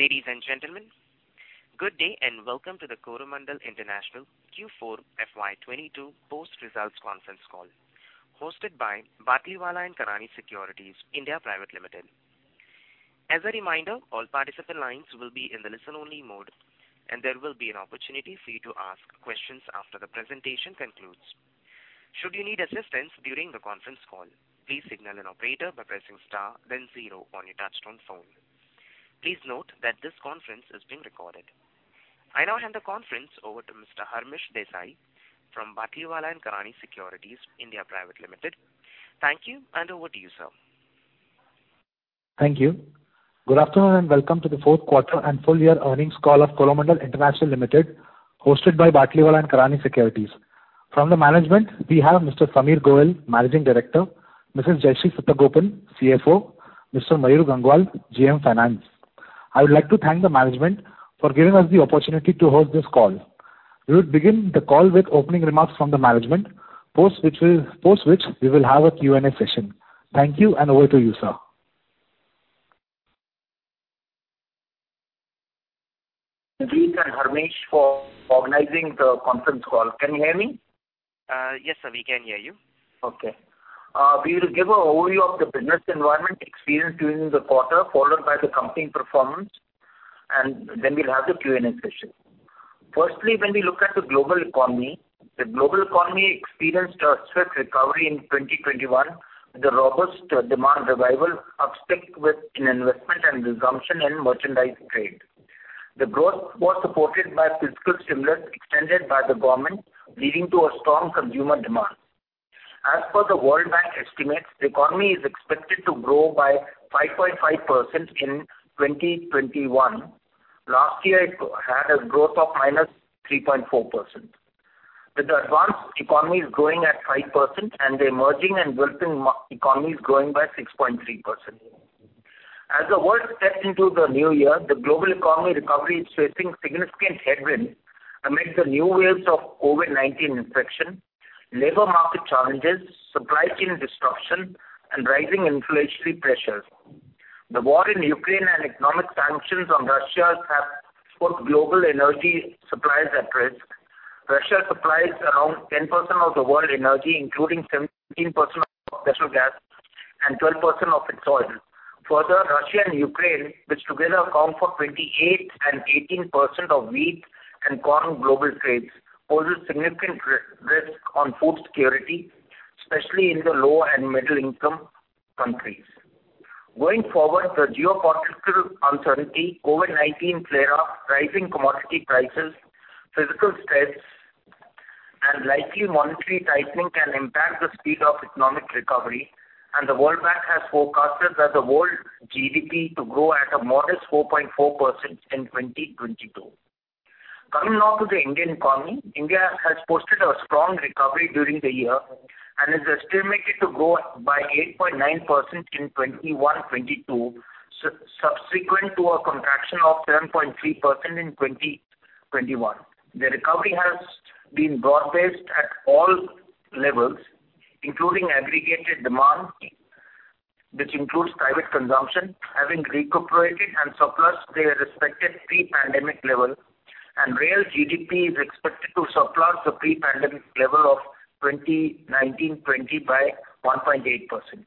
Ladies and gentlemen, good day and welcome to the Coromandel International Q4 FY22 post-results conference call, hosted by Batlivala & Karani Securities India Private Limited. As a reminder, all participant lines will be in the listen-only mode, and there will be an opportunity for you to ask questions after the presentation concludes. Should you need assistance during the conference call, please signal an operator by pressing star then zero on your touchtone phone. Please note that this conference is being recorded. I now hand the conference over to Mr. Harmish Desai from Batlivala & Karani Securities India Private Limited. Thank you, and over to you, sir. Thank you. Good afternoon, and welcome to the fourth quarter and full year earnings call of Coromandel International Limited, hosted by Batlivala and Karani Securities. From the management, we have Mr. Sameer Goel, Managing Director, Mrs. Jayashree Satagopan, CFO, Mr. Mayur Gangwal, GM Finance. I would like to thank the management for giving us the opportunity to host this call. We will begin the call with opening remarks from the management, post which we will have a Q&A session. Thank you, and over to you, sir. Thank you, Harmish, for organizing the conference call. Can you hear me? Yes, sir. We can hear you. Okay. We will give an overview of the business environment experienced during the quarter, followed by the company performance, and then we'll have the Q&A session. Firstly, when we look at the global economy, the global economy experienced a swift recovery in 2021, with a robust demand revival upswing in investment and resumption in merchandise trade. The growth was supported by fiscal stimulus extended by the government, leading to a strong consumer demand. As per the World Bank estimates, the economy is expected to grow by 5.5% in 2021. Last year it had a growth of -3.4%. With the advanced economies growing at 5% and the emerging market and developing economies growing by 6.3%. As the world steps into the new year, the global economic recovery is facing significant headwinds amid the new waves of COVID-19 infection, labor market challenges, supply chain disruption, and rising inflationary pressures. The war in Ukraine and economic sanctions on Russia have put global energy supplies at risk. Russia supplies around 10% of the world energy, including 17% of natural gas and 12% of its oil. Further, Russia and Ukraine, which together account for 28 and 18% of wheat and corn global trades, poses significant risk on food security, especially in the low and middle income countries. Going forward, the geopolitical uncertainty, COVID-19 flare-up, rising commodity prices, physical threats, and likely monetary tightening can impact the speed of economic recovery. The World Bank has forecasted that the world GDP to grow at a modest 4.4% in 2022. Coming now to the Indian economy. India has posted a strong recovery during the year and is estimated to grow by 8.9% in 2021-22, subsequent to a contraction of 7.3% in 2021. The recovery has been broad-based at all levels, including aggregate demand, which includes private consumption, having recuperated and surpassed their respective pre-pandemic levels, and real GDP is expected to surpass the pre-pandemic level of 2019-20 by 1.8%.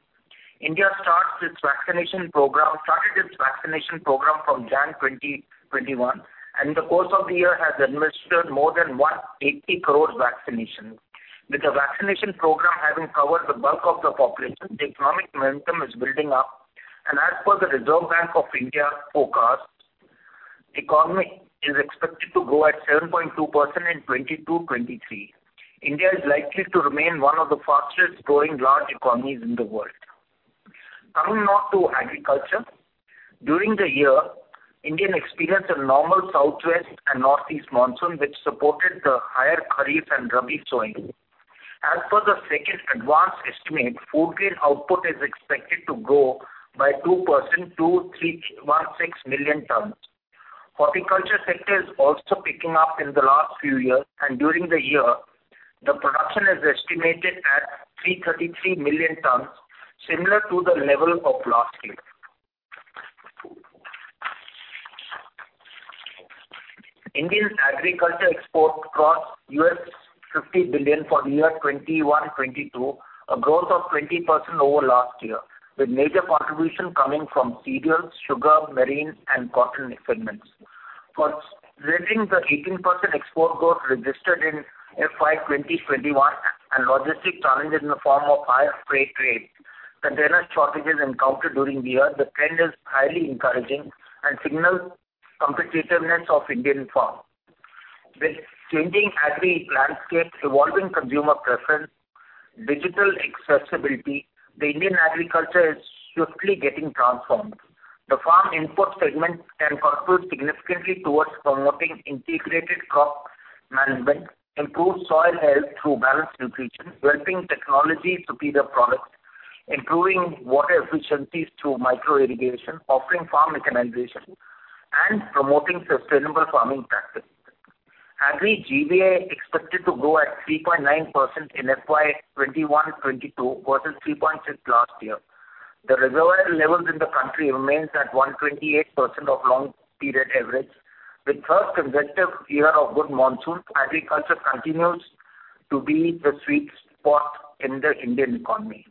India started its vaccination program from January 2021, and in the course of the year has administered more than 180 crore vaccinations. With the vaccination program having covered the bulk of the population, the economic momentum is building up. As per the Reserve Bank of India forecast, economy is expected to grow at 7.2% in 2022-23. India is likely to remain one of the fastest growing large economies in the world. Coming now to agriculture. During the year, India experienced a normal southwest and northeast monsoon, which supported the higher kharif and rabi sowing. As per the second advance estimate, food grain output is expected to grow by 2% to 316 million tons. Horticulture sector is also picking up in the last few years, and during the year, the production is estimated at 333 million tons, similar to the level of last year. Indian agriculture export crossed $50 billion for the year 2021-22, a growth of 20% over last year, with major contribution coming from cereals, sugar, marine and cotton segments For raising the 18% export growth registered in FY 2021 and logistic challenges in the form of higher freight rates, container shortages encountered during the year, the trend is highly encouraging and signals competitiveness of Indian farm. With changing agri landscape, evolving consumer preference, digital accessibility, the Indian agriculture is swiftly getting transformed. The farm input segment can contribute significantly towards promoting integrated crop management, improve soil health through balanced nutrition, developing technology superior products, improving water efficiencies through micro irrigation, offering farm mechanization, and promoting sustainable farming practices. Agriculture GVA expected to grow at 3.9% in FY 2021/22 versus 3.6% last year. The reservoir levels in the country remains at 128% of long period average. The first consecutive year of good monsoon, agriculture continues to be the sweet spot in the Indian economy.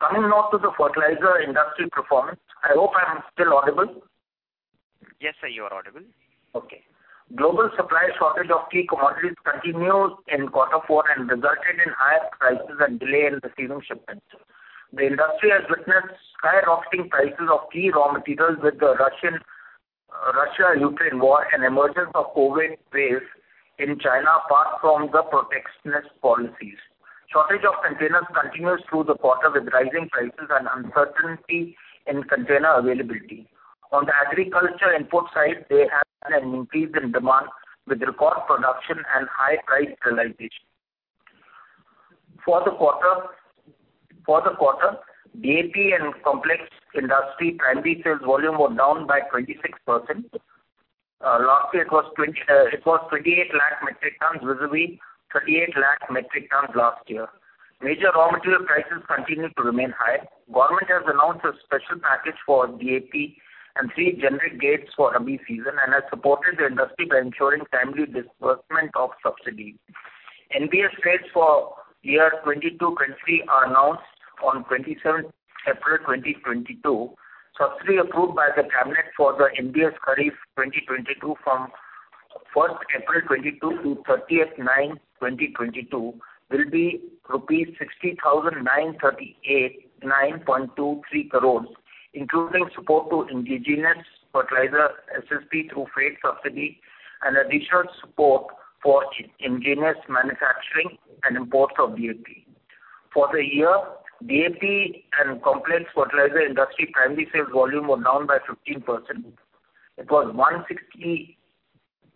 Coming now to the fertilizer industry performance. I hope I'm still audible. Yes, sir, you are audible. Okay. Global supply shortage of key commodities continued in quarter four and resulted in higher prices and delay in receiving shipments. The industry has witnessed skyrocketing prices of key raw materials with the Russia-Ukraine war and emergence of COVID wave in China, apart from the protectionist policies. Shortage of containers continues through the quarter with rising prices and uncertainty in container availability. On the agriculture input side, there has been an increase in demand with record production and high price realization. For the quarter, DAP and complex industry primary sales volume were down by 26%. Last year it was 28 lakh metric tons vis-a-vis 38 lakh metric tons last year. Major raw material prices continued to remain high. Government has announced a special package for DAP and three generic grades for rabi season and has supported the industry by ensuring timely disbursement of subsidies. NBS rates for year 2022, 2023 are announced on twenty-seventh April 2022. Subsidy approved by the cabinet for the NBS kharif 2022 from 1 April 2022 to thirty September 2022 will be rupees 60,938.923 crores, including support to indigenous fertilizer SSP through freight subsidy and additional support for indigenous manufacturing and imports of DAP. For the year, DAP and complex fertilizer industry primary sales volume were down by 15%. It was 161.86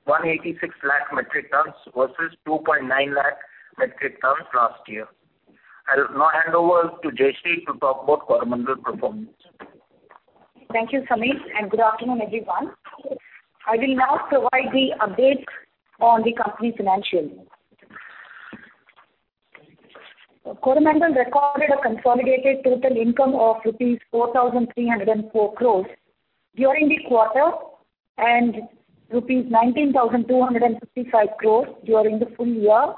lakh metric tons versus 2.9 lakh metric tons last year. I'll now hand over to Jayashree to talk about Coromandel performance. Thank you, Sameer, and good afternoon, everyone. I will now provide the update on the company's financials. Coromandel recorded a consolidated total income of rupees 4,304 crore during the quarter and rupees 19,255 crore during the full year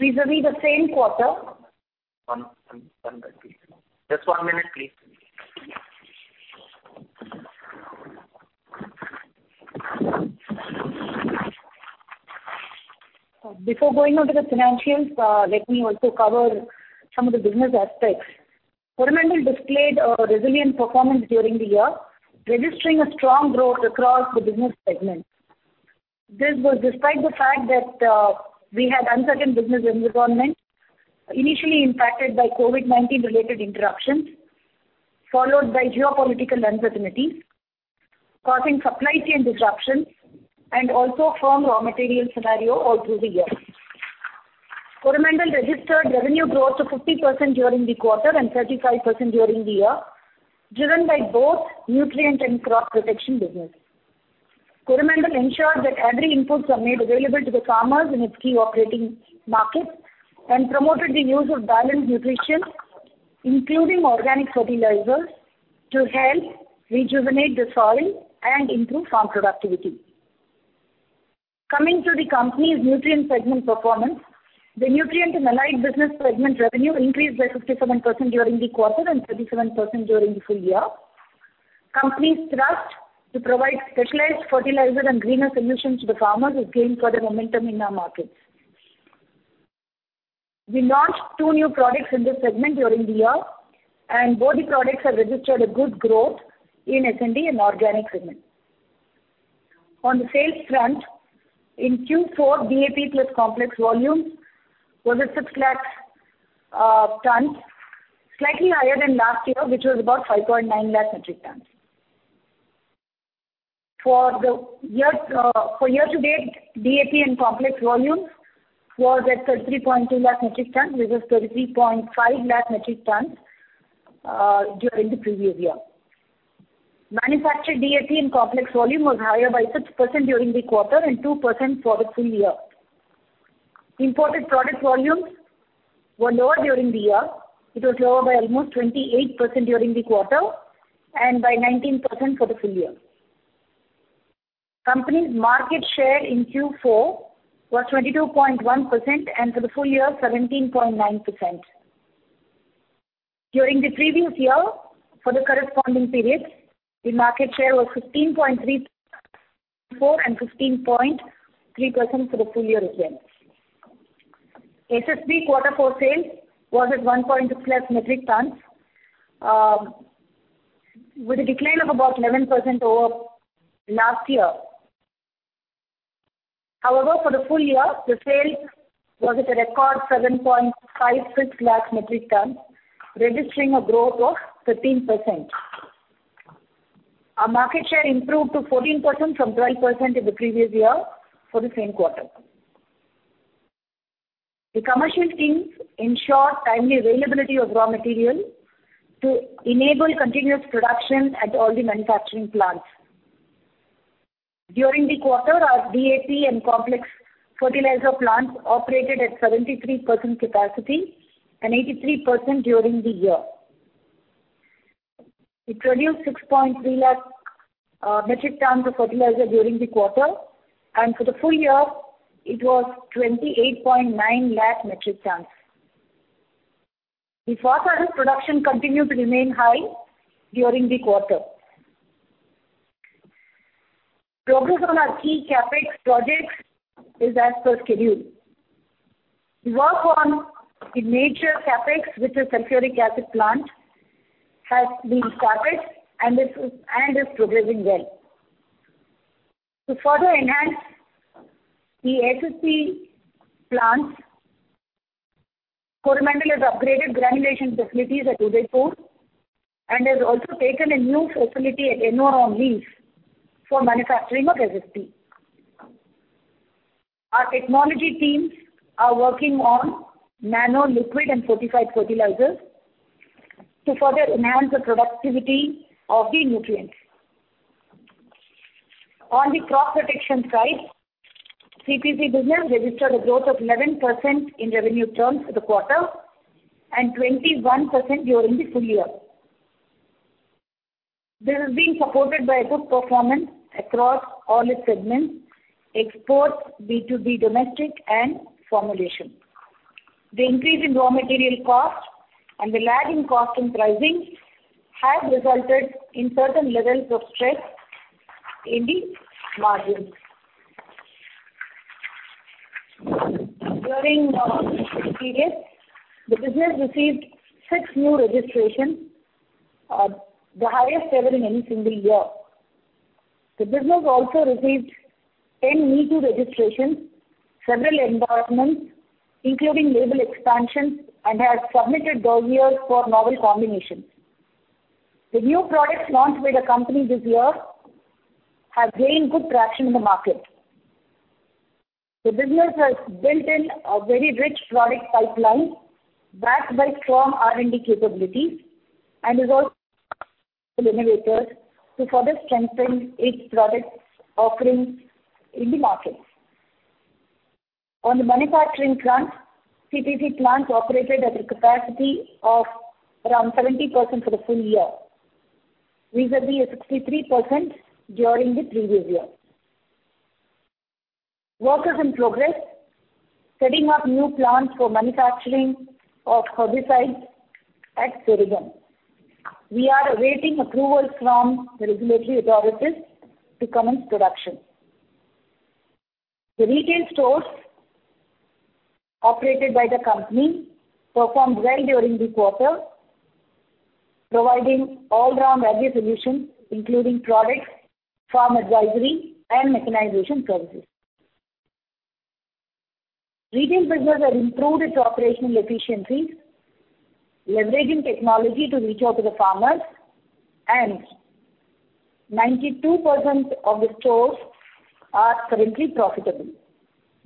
vis-à-vis the same quarter. One minute please. Just one minute please. Before going on to the financials, let me also cover some of the business aspects. Coromandel displayed a resilient performance during the year, registering a strong growth across the business segments. This was despite the fact that, we had uncertain business environment, initially impacted by COVID-19 related interruptions, followed by geopolitical uncertainty, causing supply chain disruptions and also grim raw material scenario all through the year. Coromandel registered revenue growth of 50% during the quarter and 35% during the year, driven by both nutrient and crop protection business. Coromandel ensured that agri-inputs were made available to the farmers in its key operating markets and promoted the use of balanced nutrition, including organic fertilizers, to help rejuvenate the soil and improve farm productivity. Coming to the company's nutrient segment performance. The nutrient and allied business segment revenue increased by 57% during the quarter and 37% during the full year. Company's thrust to provide specialized fertilizers and greener solutions to the farmers has gained further momentum in our markets. We launched two new products in this segment during the year, and both the products have registered a good growth in SND and organic segment. On the sales front, in Q4, DAP plus complex volume was at 6 lakh tons, slightly higher than last year, which was about 5.9 lakh metric tons. For the year, for year-to-date, DAP and complex volume was at 30.2 lakh metric tons versus 33.5 lakh metric tons during the previous year. Manufactured DAP and complex volume was higher by 6% during the quarter and 2% for the full year. Imported product volumes were lower during the year. It was lower by almost 28% during the quarter and by 19% for the full year. Company's market share in Q4 was 22.1% and for the full year 17.9%. During the previous year for the corresponding period, the market share was 15.34 and 15.3% for the full year again. SSP quarter four sales was at 1.6 lakh metric tons, with a decline of about 11% over last year. However, for the full year, the sales was at a record 7.56 lakh metric tons, registering a growth of 13%. Our market share improved to 14% from 12% in the previous year for the same quarter. The commercial teams ensure timely availability of raw material to enable continuous production at all the manufacturing plants. During the quarter, our DAP and complex fertilizer plants operated at 73% capacity and 83% during the year. It produced 6.3 lakh metric ton of fertilizer during the quarter, and for the full year it was 28.9 lakh metric tons. The phosphorus production continued to remain high during the quarter. Progress on our key CapEx projects is as per schedule. Work on the major CapEx, which is sulfuric acid plant, has been started and is progressing well. To further enhance the SSP plants, Coromandel has upgraded granulation facilities at Udaipur and has also taken a new facility at Ennore on lease for manufacturing of SSP. Our technology teams are working on nano liquid and fortified fertilizers to further enhance the productivity of the nutrients. On the crop protection side, CPC business registered a growth of 11% in revenue terms for the quarter and 21% during the full year. This is being supported by a good performance across all its segments, exports, B2B, domestic, and formulation. The increase in raw material cost and the lag in cost and pricing has resulted in certain levels of stress in the margins. During this period, the business received 6 new registrations, the highest ever in any single year. The business also received 10 me-too registrations, several endorsements, including label expansions, and has submitted dossiers for novel combinations. The new products launched by the company this year have gained good traction in the market. The business has built a very rich product pipeline backed by strong R&D capabilities and is also innovating to further strengthen its product offering in the market. On the manufacturing plants, CPC plants operated at a capacity of around 70% for the full year, vis-à-vis 63% during the previous year. Work is in progress, setting up new plants for manufacturing of herbicides at Sarigam. We are awaiting approvals from the regulatory authorities to commence production. The retail stores operated by the company performed well during the quarter, providing all-round value solutions including products, farm advisory and mechanization services. Retail business has improved its operational efficiencies, leveraging technology to reach out to the farmers, and 92% of the stores are currently profitable.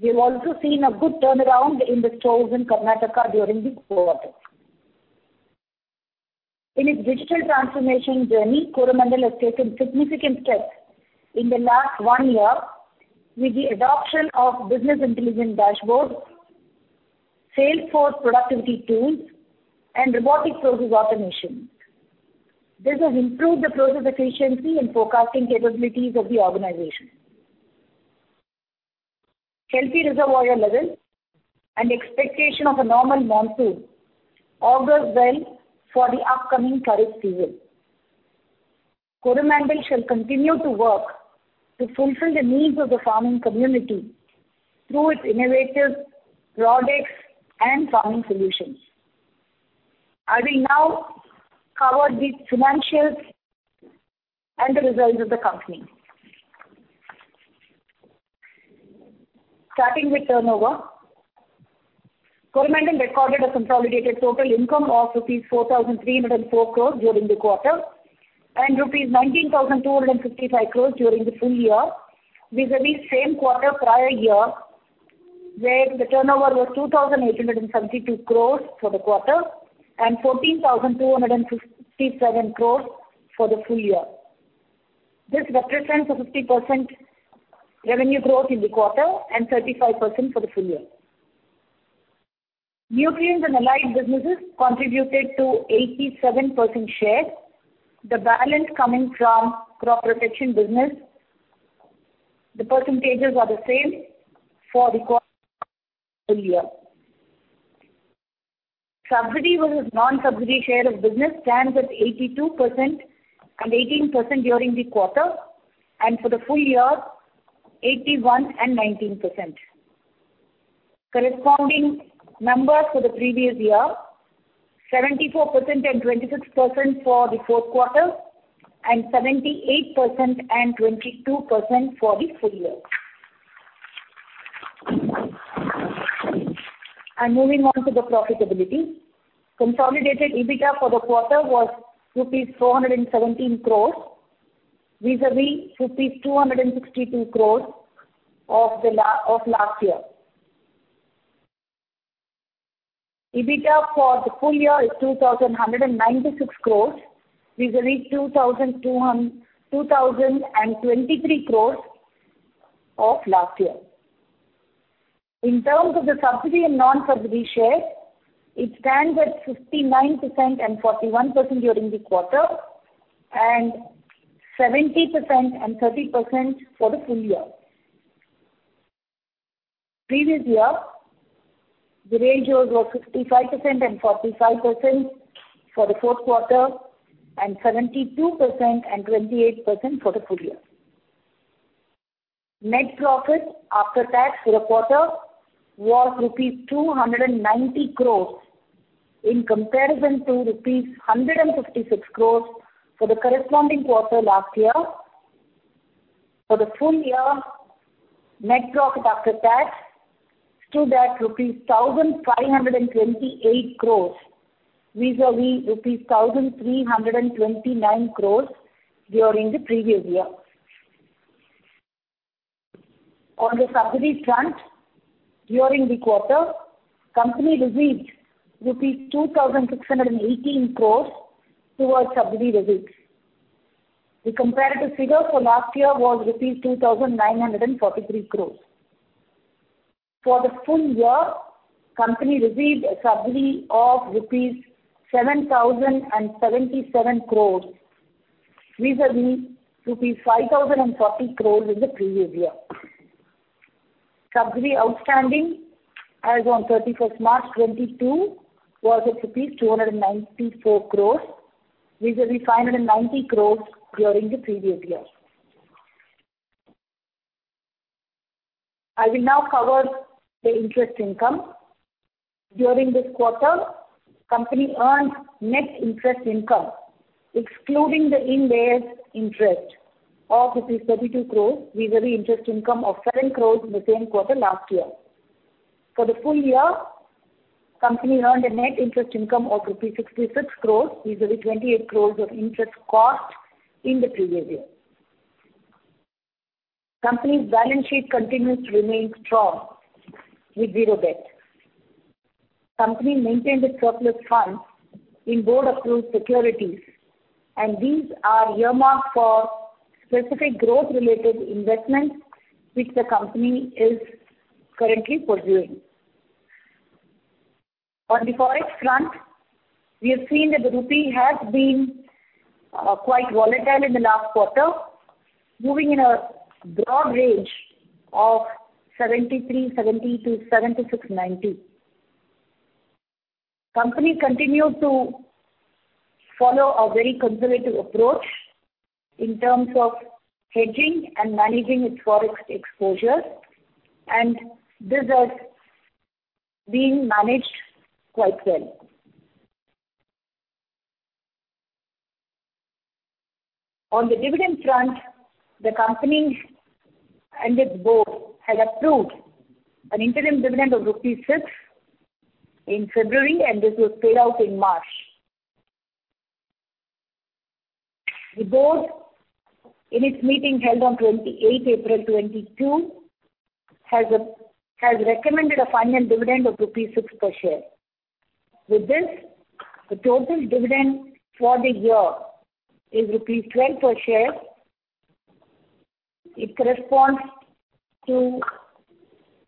We have also seen a good turnaround in the stores in Karnataka during the quarter. In its digital transformation journey, Coromandel has taken significant steps in the last 1 year with the adoption of business intelligence dashboards, Salesforce productivity tools, and robotic process automation. This has improved the process efficiency and forecasting capabilities of the organization. Healthy reservoir levels and expectation of a normal monsoon augurs well for the upcoming kharif season. Coromandel shall continue to work to fulfill the needs of the farming community through its innovative products and farming solutions. I will now cover the financials and the results of the company. Starting with turnover. Coromandel recorded a consolidated total income of rupees 4,304 crore during the quarter and rupees 19,255 crore during the full year, vis-à-vis same quarter prior year, where the turnover was 2,872 crore for the quarter and 14,257 crore for the full year. This represents a 50% revenue growth in the quarter and 35% for the full year. Nutrients and allied businesses contributed to 87% share, the balance coming from crop protection business. The percentages are the same for the whole year. Subsidized versus non-subsidized share of business stands at 82% and 18% during the quarter, and for the full year 81% and 19%. Corresponding numbers for the previous year, 74% and 26% for the fourth quarter, and 78% and 22% for the full year. Moving on to the profitability. Consolidated EBITDA for the quarter was rupees 417 crore vis-à-vis rupees 262 crore of last year. EBITDA for the full year is 2,196 crore, vis-à-vis 2,023 crore of last year. In terms of the subsidy and non-subsidy share, it stands at 59% and 41% during the quarter, and 70% and 30% for the full year. Previous year, the ratios were 55% and 45% for the fourth quarter, and 72% and 28% for the full year. Net profit after tax for the quarter was rupees 290 crores, in comparison to rupees 156 crores for the corresponding quarter last year. For the full year, net profit after tax stood at rupees 1,528 crores, vis-à-vis rupees 1,329 crores during the previous year. On the subsidy front, during the quarter, company received rupees 2,618 crores towards subsidy receipts. The comparative figure for last year was rupees 2,943 crores. For the full year, company received a subsidy of rupees 7,077 crores, vis-à-vis rupees 5,040 crores in the previous year. Subsidy outstanding as on 31 March 2022 was at rupees 294 crores, vis-à-vis 590 crores during the previous year. I will now cover the interest income. During this quarter, company earned net interest income, excluding the Ind AS interest, of rupees 32 crore, vis-à-vis interest income of 7 crore in the same quarter last year. For the full year, company earned a net interest income of rupees 66 crore, vis-à-vis 28 crore of interest cost in the previous year. Company's balance sheet continues to remain strong with 0 debt. Company maintained its surplus funds in board-approved securities, and these are earmarked for specific growth-related investments which the company is currently pursuing. On the Forex front, we have seen that the rupee has been quite volatile in the last quarter, moving in a broad range of 73.70-76.90. Company continued to follow a very conservative approach in terms of hedging and managing its Forex exposure, and this has been managed quite well. On the dividend front, the company and its board has approved an interim dividend of rupees 6 in February, and this was paid out in March. The board, in its meeting held on 28th April 2022, has recommended a final dividend of rupees 6 per share. With this, the total dividend for the year is rupees 12 per share. It corresponds to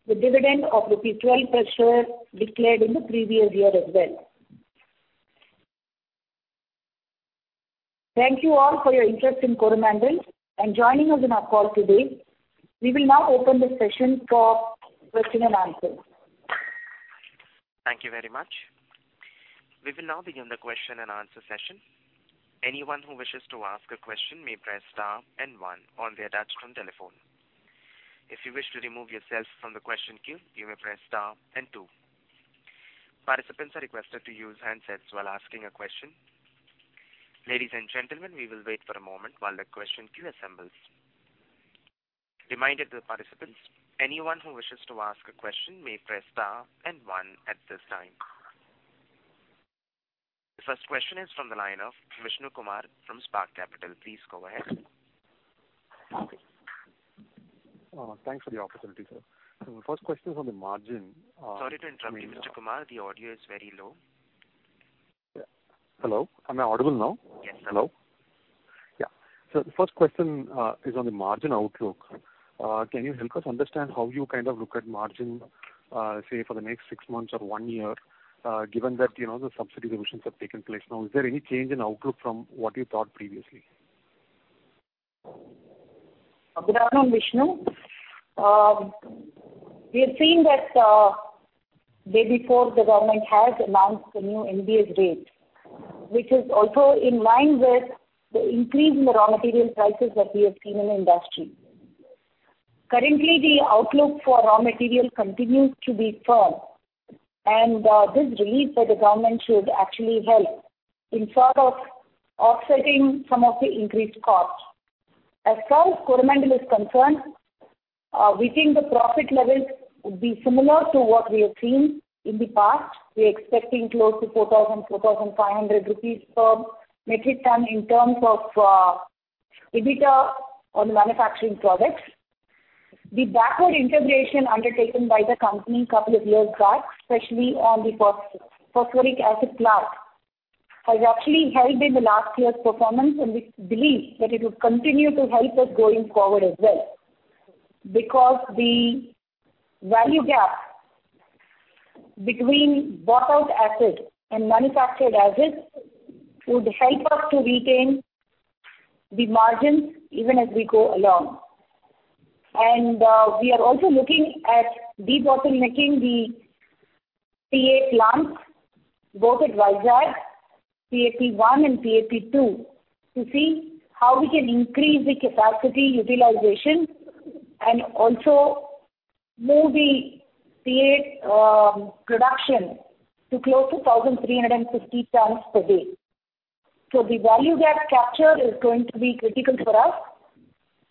the dividend of rupees 12 per share declared in the previous year as well. Thank you all for your interest in Coromandel and joining us on our call today. We will now open the session for question and answer. Thank you very much. We will now begin the question and answer session. Anyone who wishes to ask a question may press star and one on their touch-tone telephone. If you wish to remove yourself from the question queue, you may press star and two. Participants are requested to use handsets while asking a question. Ladies and gentlemen, we will wait for a moment while the question queue assembles. Reminder to participants, anyone who wishes to ask a question may press star and one at this time. The first question is from the line of Vishnu Kumar from Spark Capital. Please go ahead. Thanks for the opportunity, sir. The first question is on the margin. Sorry to interrupt you, Mr. Kumar. The audio is very low. Yeah. Hello? Am I audible now? Yes. Hello? Yeah. The first question is on the margin outlook. Can you help us understand how you kind of look at margin, say, for the next six months or one year, given that, you know, the subsidy revisions have taken place now? Is there any change in outlook from what you thought previously? Good afternoon, Vishnu. We have seen that day before, the government has announced the new NBS rates, which is also in line with the increase in the raw material prices that we have seen in the industry. Currently, the outlook for raw material continues to be firm, and this relief by the government should actually help in sort of offsetting some of the increased costs. As far as Coromandel is concerned, we think the profit levels would be similar to what we have seen in the past. We're expecting close to 4,000-4,500 rupees per metric ton in terms of EBITDA on manufacturing products. The backward integration undertaken by the company couple of years back, especially on the phosphoric acid plant, has actually helped in the last year's performance, and we believe that it will continue to help us going forward as well. Because the value gap between bought out acid and manufactured acid would help us to retain the margins even as we go along. We are also looking at debottlenecking the PA plants, both at Vizag, PAP 1 and PAP 2, to see how we can increase the capacity utilization and also move the PA production to close to 1,350 tons per day. The value gap capture is going to be critical for us.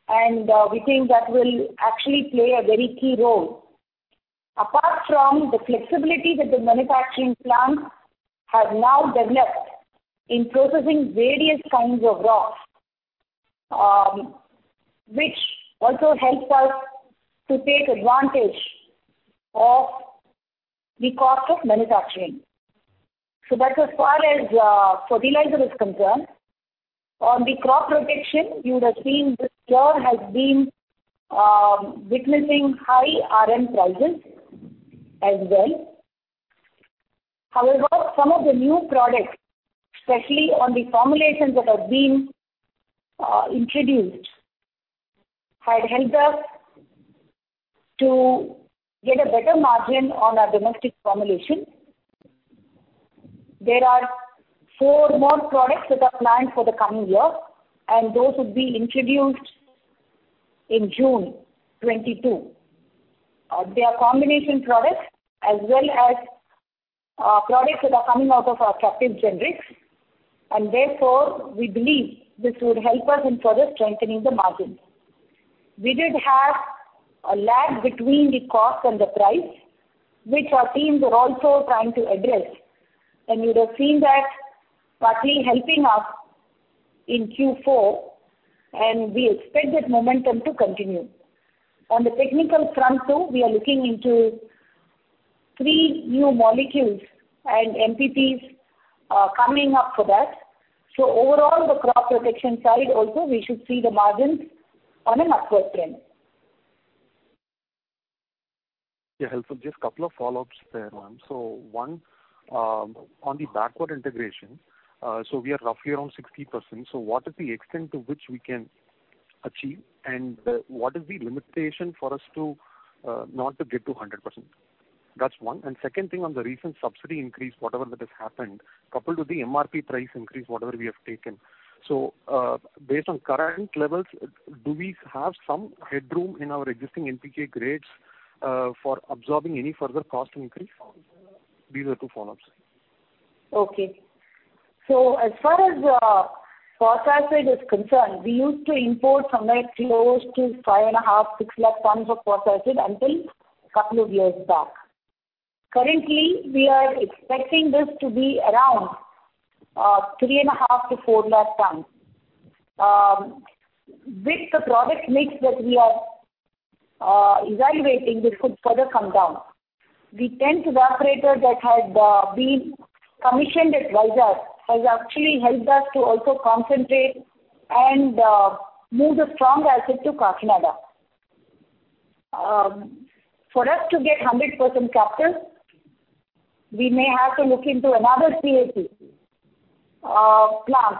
We think that will actually play a very key role. Apart from the flexibility that the manufacturing plants have now developed in processing various kinds of rocks, which also helps us to take advantage of the cost of manufacturing. That's as far as fertilizer is concerned. On the crop protection, you would have seen this year has been witnessing high RM prices as well. However, some of the new products, especially on the formulations that have been introduced, had helped us to get a better margin on our domestic formulation. There are four more products that are planned for the coming year, and those would be introduced in June 2022. They are combination products as well as products that are coming out of our captive generics, and therefore we believe this would help us in further strengthening the margins. We did have a lag between the cost and the price, which our teams are also trying to address. You would have seen that partly helping us in Q4, and we expect that momentum to continue. On the technical front too, we are looking into three new molecules and MPPs, coming up for that. Overall, the crop protection side also, we should see the margins on an upward trend. Yeah, helpful. Just couple of follow-ups there, ma'am. One, on the backward integration, so we are roughly around 60%. What is the extent to which we can achieve, and what is the limitation for us to not to get to 100%? That's one. Second thing, on the recent subsidy increase, whatever that has happened, coupled with the MRP price increase, whatever we have taken. Based on current levels, do we have some headroom in our existing NPK grades, for absorbing any further cost increase? These are two follow-ups. Okay. As far as phosphoric is concerned, we used to import somewhere close to 5.5-6 lakh tons of phosphoric until a couple of years back. Currently, we are expecting this to be around 3.5-4 lakh tons. With the product mix that we are evaluating, this could further come down. The tenth evaporator that had been commissioned at Vizag has actually helped us to also concentrate and move the strong acid to Kakinada. For us to get 100% capture, we may have to look into another PAP plant.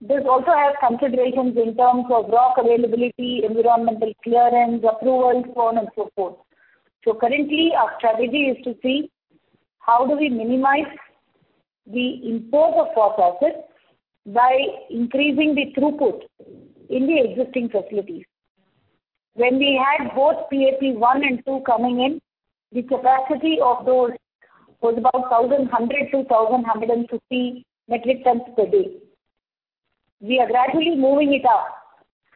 This also has considerations in terms of rock availability, environmental clearance, approvals, so on and so forth. Currently, our strategy is to see how do we minimize the import of phosphoric by increasing the throughput in the existing facilities. When we had both PAP 1 and 2 coming in, the capacity of those was about 1,100-1,150 metric tons per day. We are gradually moving it up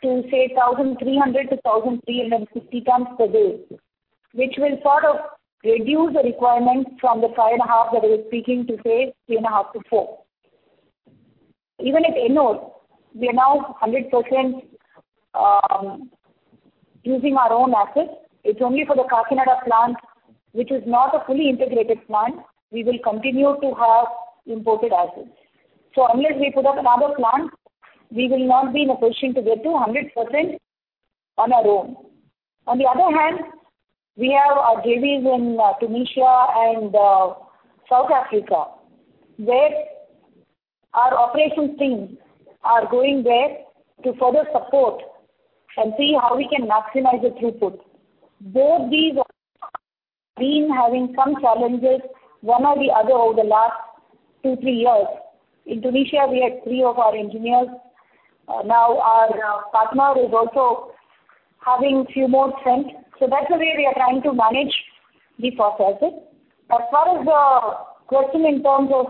to say 1,300-1,350 tons per day, which will sort of reduce the requirement from the 5.5 that I was speaking to say 3.5-4. Even at Ennore, we are now 100% using our own acid. It's only for the Kakinada plant, which is not a fully integrated plant, we will continue to have imported acids. Unless we put up another plant, we will not be in a position to get to 100% on our own. On the other hand, we have our JVs in Tunisia and South Africa, where our operations teams are going there to further support and see how we can maximize the throughput. Both these have been having some challenges, one or the other, over the last 2-3 years. In Tunisia, we had 3 of our engineers. Now our partner is also having a few more sent. That's the way we are trying to manage the phosphate. As far as the question in terms of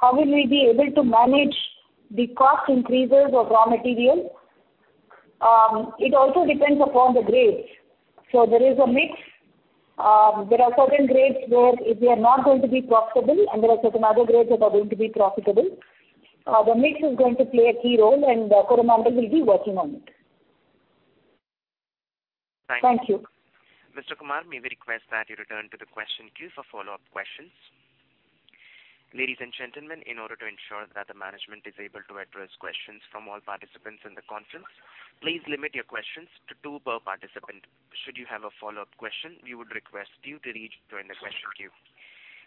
how will we be able to manage the cost increases of raw material, it also depends upon the grades. So there is a mix. There are certain grades where if they are not going to be profitable and there are certain other grades that are going to be profitable, the mix is going to play a key role and the core management will be working on it. Thanks. Thank you. Mr. Kumar, may we request that you return to the question queue for follow-up questions. Ladies and gentlemen, in order to ensure that the management is able to address questions from all participants in the conference, please limit your questions to two per participant. Should you have a follow-up question, we would request you to rejoin the question queue.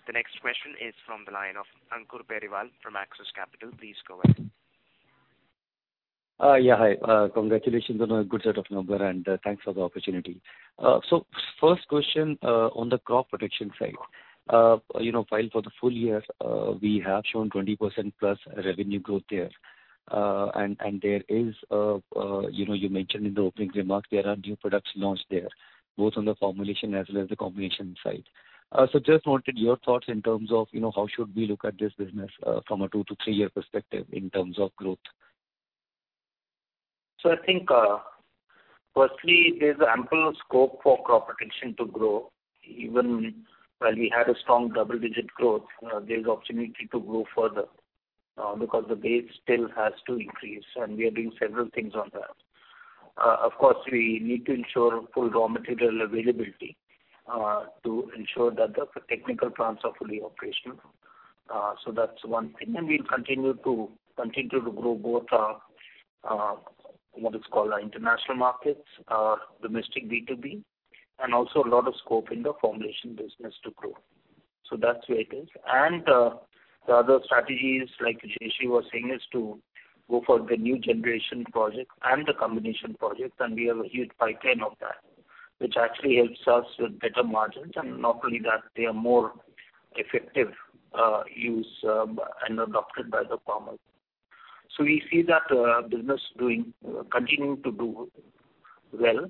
The next question is from the line of Ankur Periwal from Axis Capital. Please go ahead. Hi, congratulations on a good set of numbers, and thanks for the opportunity. So first question, on the crop protection side. You know, while for the full year, we have shown 20%+ revenue growth there, and there is, you know, you mentioned in the opening remarks there are new products launched there, both on the formulation as well as the combination side. So just wanted your thoughts in terms of, you know, how should we look at this business, from a 2-3-year perspective in terms of growth? I think, firstly, there's ample scope for crop protection to grow. Even while we had a strong double-digit growth, there's opportunity to grow further, because the base still has to increase and we are doing several things on that. Of course, we need to ensure full raw material availability, to ensure that the technical plants are fully operational. That's one thing. We'll continue to grow both our international markets, our domestic B2B, and also a lot of scope in the formulation business to grow. That's where it is. The other strategies like Jayashree was saying is to go for the new generation projects and the combination projects, and we have a huge pipeline of that, which actually helps us with better margins. Not only that, they are more effective use and adopted by the farmers. We see that business continuing to do well,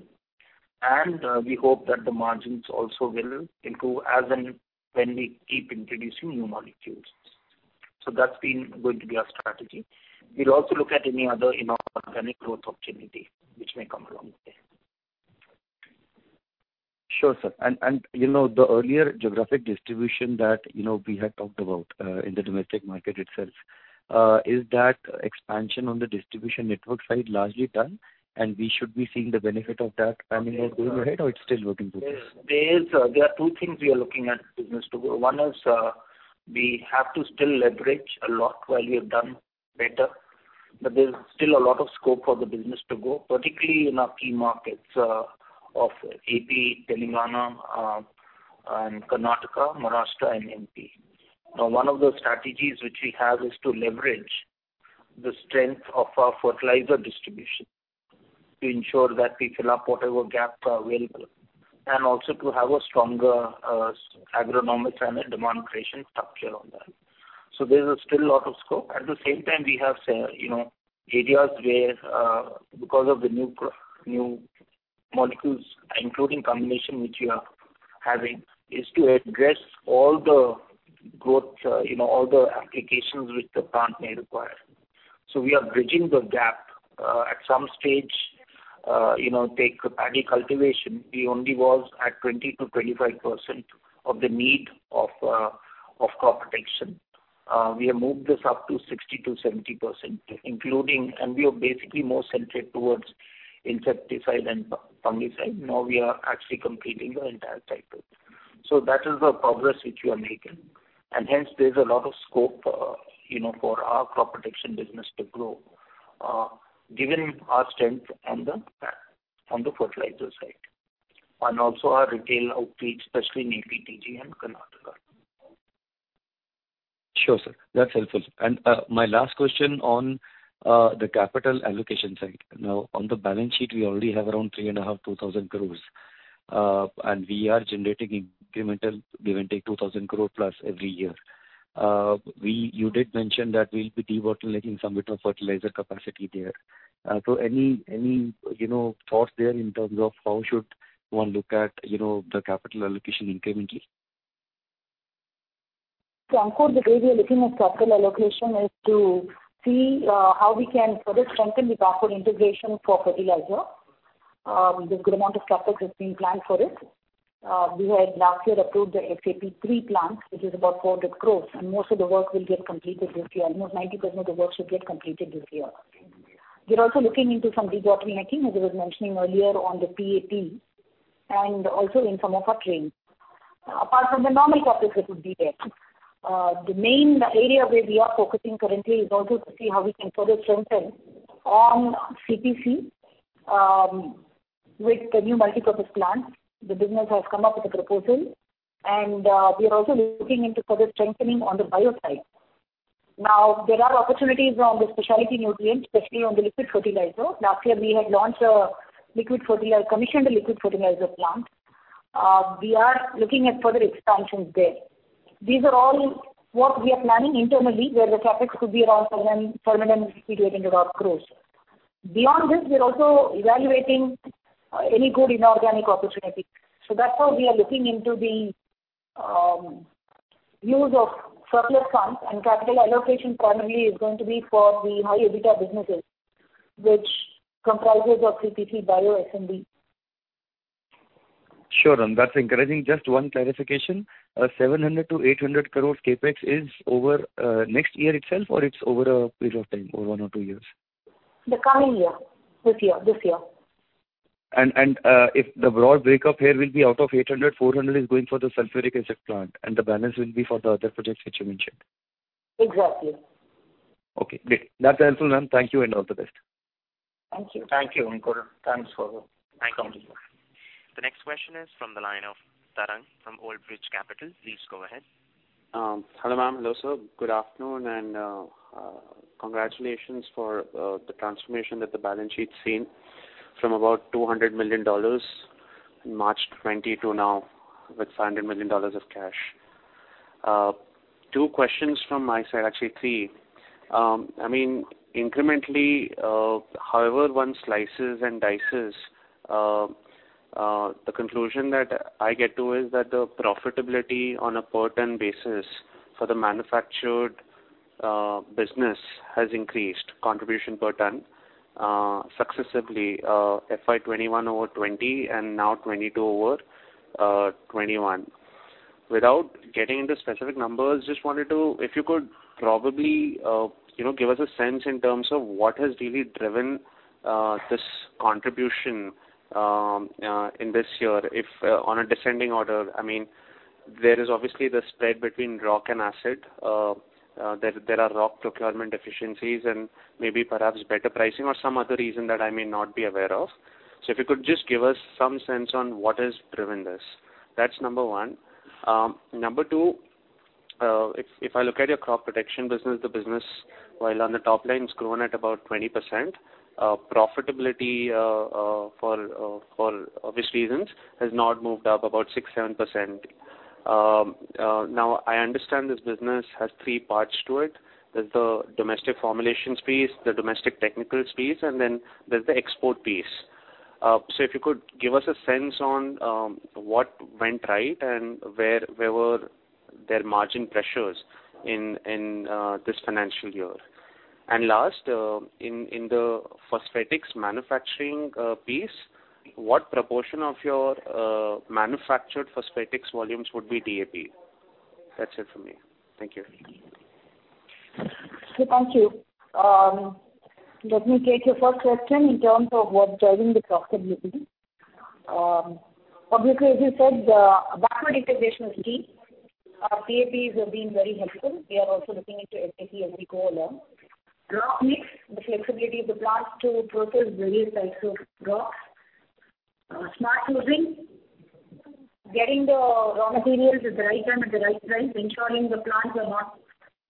and we hope that the margins also will improve as and when we keep introducing new molecules. That's been going to be our strategy. We'll also look at any other inorganic growth opportunity which may come along the way. Sure, sir. You know, the earlier geographic distribution that you know we had talked about in the domestic market itself, is that expansion on the distribution network side largely done, and we should be seeing the benefit of that playing out going ahead, or it's still work in progress? There are two things we are looking at business to grow. One is, we have to still leverage a lot while we have done better, but there's still a lot of scope for the business to grow, particularly in our key markets, of AP, Telangana, and Karnataka, Maharashtra and MP. Now, one of the strategies which we have is to leverage the strength of our fertilizer distribution to ensure that we fill up whatever gap are available and also to have a stronger agronomic and demand creation structure on that. There's still a lot of scope. At the same time, we have, say, you know, areas where because of the new molecules, including combination which we are having, is to address all the growth, you know, all the applications which the plant may require. We are bridging the gap. At some stage, you know, take agri cultivation. We only was at 20-25% of the need of crop protection. We have moved this up to 60-70%, including and we are basically more centered towards insecticide and fungicide. Now we are actually completing the entire cycle. That is the progress which we are making. Hence there's a lot of scope, you know, for our crop protection business to grow, given our strength on the fertilizer side, and also our retail outreach, especially in AP, TG and Karnataka. Sure, sir. That's helpful, sir. My last question on the capital allocation side. Now, on the balance sheet, we already have around 3.5-2,000 crore. We are generating incremental, give or take 2,000 crore plus every year. You did mention that we'll be debottlenecking some bit of fertilizer capacity there. Any thoughts there in terms of how should one look at the capital allocation incrementally? Ankur, the way we are looking at capital allocation is to see how we can further strengthen the backward integration for fertilizer. There's good amount of CapEx that's been planned for it. We had last year approved the SAP 3 plants, which is about 400 crore, and most of the work will get completed this year. Almost 90% of the work should get completed this year. We're also looking into some debottlenecking, as I was mentioning earlier, on the PAP and also in some of our trains. Apart from the normal CapEx, which would be there. The main area where we are focusing currently is also to see how we can further strengthen on CPC with the new multipurpose plants. The business has come up with a proposal, and we are also looking into further strengthening on the bio side. Now, there are opportunities on the specialty nutrients, especially on the liquid fertilizer. Last year, we had launched a liquid fertilizer, commissioned a liquid fertilizer plant. We are looking at further expansions there. These are all work we are planning internally, where the CapEx could be around 7.5 billion. Beyond this, we are also evaluating any good inorganic opportunity. That's how we are looking into the use of surplus funds and capital allocation primarily is going to be for the high EBITDA businesses, which comprises of CPC Bio SND. Sure, that's encouraging. Just one clarification. 700-800 crores CapEx is over next year itself, or it's over a period of time, over 1 or 2 years? The coming year. This year. If the broad break-up here will be out of 800, 400 is going for the sulfuric acid plant, and the balance will be for the other projects which you mentioned. Exactly. Okay, great. That's helpful, ma'am. Thank you and all the best. Thank you. Thank you, Ankur. Thanks for coming. The next question is from the line of Tarang from Old Bridge Capital. Please go ahead. Hello, ma'am. Hello, sir. Good afternoon, and congratulations for the transformation that the balance sheet's seen from about $200 million in March 2020 to now with $500 million of cash. Two questions from my side, actually three. I mean, incrementally, however one slices and dices, the conclusion that I get to is that the profitability on a per ton basis for the manufactured business has increased contribution per ton successively, FY21 over 2020 and now 2022 over 2021. Without getting into specific numbers, just wanted to, if you could probably, you know, give us a sense in terms of what has really driven this contribution in this year. If on a descending order, I mean, there is obviously the spread between rock and acid. There are rock procurement efficiencies and maybe perhaps better pricing or some other reason that I may not be aware of. If you could just give us some sense on what has driven this. That's number 1. Number 2, if I look at your crop protection business, the business while on the top line has grown at about 20%, profitability, for obvious reasons, has not moved up, about 6-7%. Now I understand this business has three parts to it. There's the domestic formulations piece, the domestic technicals piece, and then there's the export piece. If you could give us a sense on what went right and where were there margin pressures in this financial year. Last, in the phosphatic manufacturing piece, what proportion of your manufactured phosphatic volumes would be DAP? That's it from me. Thank you. Thank you. Let me take your first question in terms of what's driving the profitability. Publicly, as you said, the backward integration is key. Our PAPs have been very helpful. We are also looking into NPK as we go along. Rock mix, the flexibility of the plant to process various types of rocks. Smart choosing, getting the raw materials at the right time at the right price, ensuring the plants are not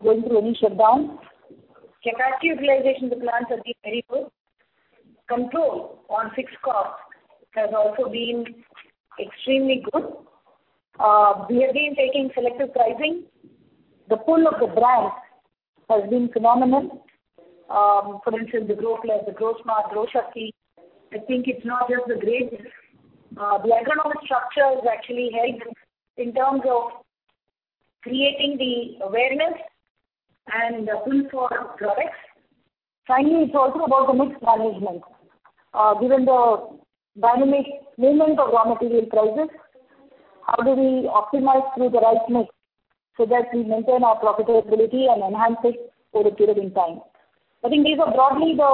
going through any shutdown. Capacity utilization of the plants has been very good. Control on fixed costs has also been extremely good. We have been taking selective pricing. The pull of the brands has been phenomenal. For instance, the GroPlus, the GroSmart, GroShakti. I think it's not just the grades. The economic structure has actually helped in terms of creating the awareness and the pull for our products. Finally, it's also about the mix management. Given the dynamic movement of raw material prices, how do we optimize through the right mix so that we maintain our profitability and enhance it over a period in time? I think these are broadly the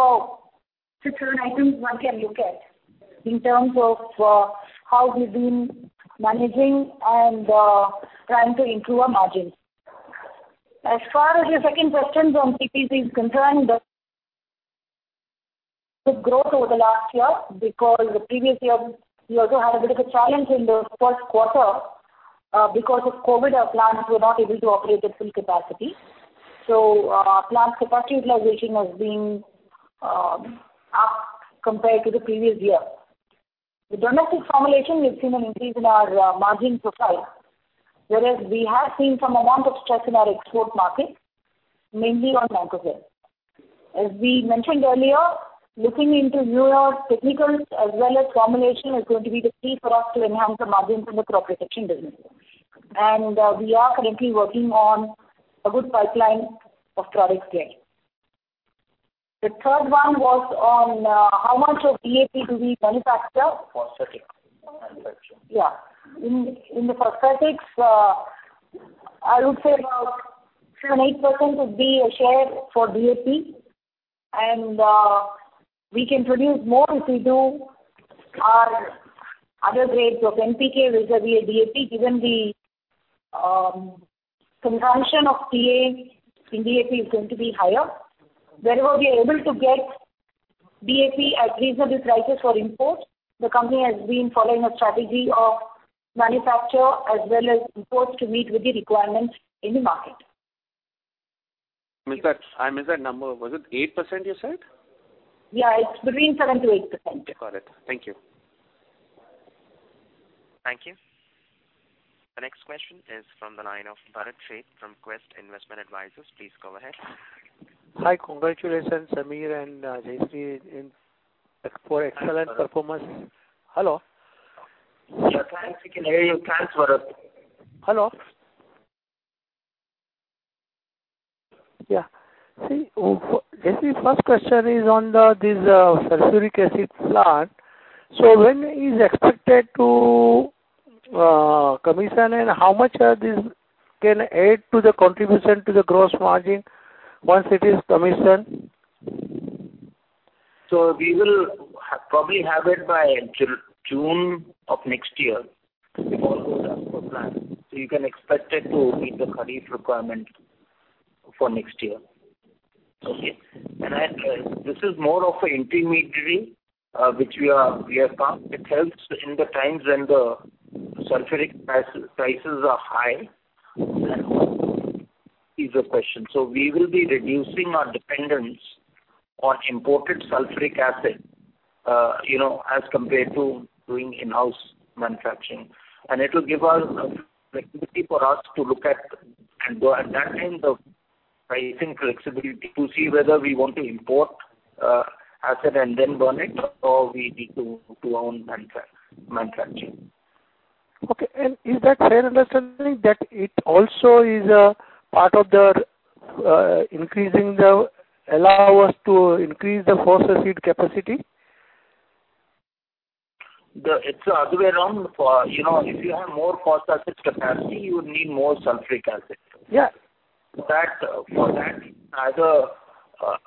six, seven items one can look at in terms of, how we've been managing and, trying to improve our margins. As far as your second question from CPC is concerned, the growth over the last year, because the previous year we also had a bit of a challenge in the first quarter, because of COVID, our plants were not able to operate at full capacity. Plant capacity utilization has been up compared to the previous year. The domestic formulation, we've seen an increase in our margin profile, whereas we have seen some amount of stress in our export markets, mainly on Mancozeb. As we mentioned earlier, looking into newer technicals as well as formulation is going to be the key for us to enhance the margins in the crop protection business. We are currently working on a good pipeline of products there. The third one was on how much of DAP do we manufacture? Phosphatic manufacture. Yeah. In the phosphatics, I would say about 7%-8% would be a share for DAP. We can produce more if we do our other grades of NPK vis-a-vis DAP, given the consumption of PA in DAP is going to be higher. Wherever we are able to get DAP at reasonable prices for import, the company has been following a strategy of manufacture as well as imports to meet with the requirements in the market. I missed that number. Was it 8% you said? Yeah, it's between 7%-8%. Got it. Thank you. Thank you. The next question is from the line of Bharat Sheth from Quest Investment Advisors. Please go ahead. Hi. Congratulations, Sameer and Jayashree, for excellent performance. Hello? Your lines, we can hear your lines, Bharat. Hello. See, Jayashree, first question is on this sulfuric acid plant. When is expected to commission and how much this can add to the contribution to the gross margin once it is commissioned? We will probably have it by June of next year. If all goes as per plan. You can expect it to meet the kharif requirement for next year. Okay. This is more of an intermediary which we have found it helps in the times when the sulfuric acid prices are high. Also is an option. We will be reducing our dependence on imported sulfuric acid, you know, as compared to doing in-house manufacturing. It will give us flexibility for us to look at and go. That kind of pricing flexibility to see whether we want to import acid and then burn it, or we need to go to our own manufacturing. Okay. Is that a fair understanding that it also is a part of the allow us to increase the phosphate capacity? It's the other way around. You know, if you have more phosphate capacity, you need more sulfuric acid. Yeah.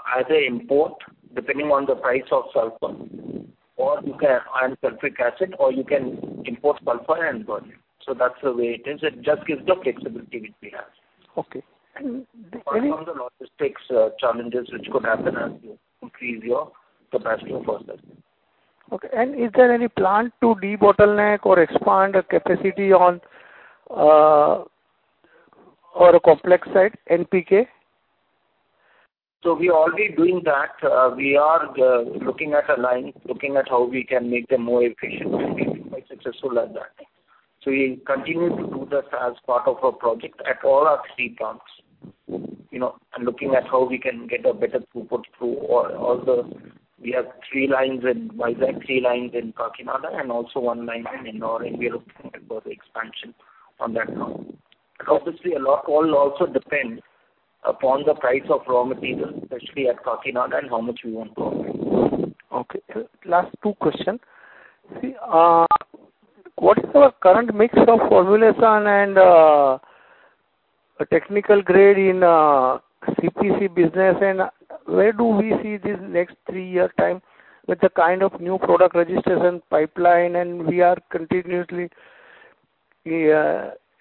Either import depending on the price of sulfur. You can make sulfuric acid or you can import sulfur and burn it. That's the way it is. It just gives the flexibility which we have. Okay. Some of the logistics challenges which could happen as you increase your capacity for that. Okay. Is there any plan to de-bottleneck or expand the capacity on our complex side, NPK? We are already doing that. We are looking at how we can make them more efficient and be quite successful at that. We continue to do that as part of a project at all our three plants. You know, looking at how we can get a better throughput through all the lines. We have three lines in Vizag, three lines in Kakinada, and also one line in Ennore, and we are looking at both expansion on that count. Obviously a lot also depends upon the price of raw materials, especially at Kakinada, and how much we want to operate. Okay. Last two question. See, what is our current mix of formulation and, technical grade in, CPC business, and where do we see this next three year time with the kind of new product registration pipeline and we are continuously,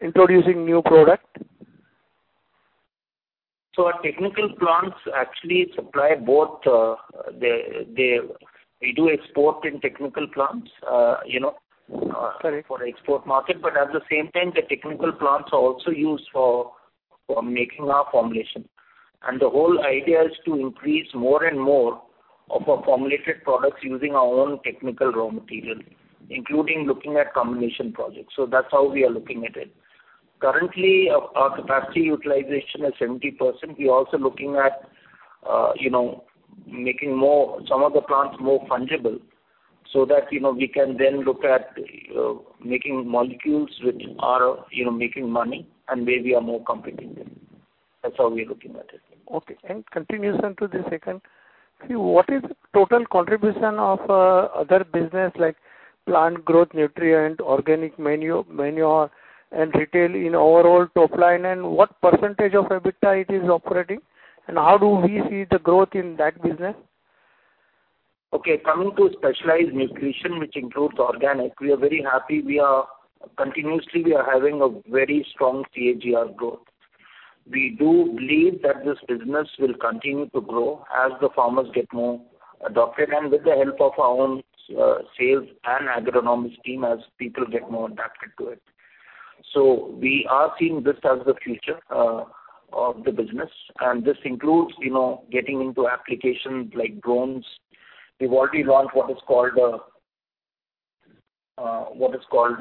introducing new product? Our technical plants actually supply both, we do export in technical plants, you know- Sorry. For export market. At the same time, the technical plants are also used for making our formulation. The whole idea is to increase more and more of our formulated products using our own technical raw material, including looking at combination projects. That's how we are looking at it. Currently, our capacity utilization is 70%. We're also looking at, you know, making more, some of the plants more fungible, so that, you know, we can then look at making molecules which are, you know, making money and where we are more competing them. That's how we are looking at it. Okay. Continuation to the second. See, what is total contribution of other business like plant growth nutrient, organic manure, and retail in overall top line? What percentage of EBITDA it is operating? How do we see the growth in that business? Okay. Coming to specialized nutrition, which includes organic, we are very happy. We are continuously having a very strong CAGR growth. We do believe that this business will continue to grow as the farmers get more adopted and with the help of our own sales and agronomist team as people get more adapted to it. We are seeing this as the future of the business, and this includes, you know, getting into applications like drones. We've already launched what is called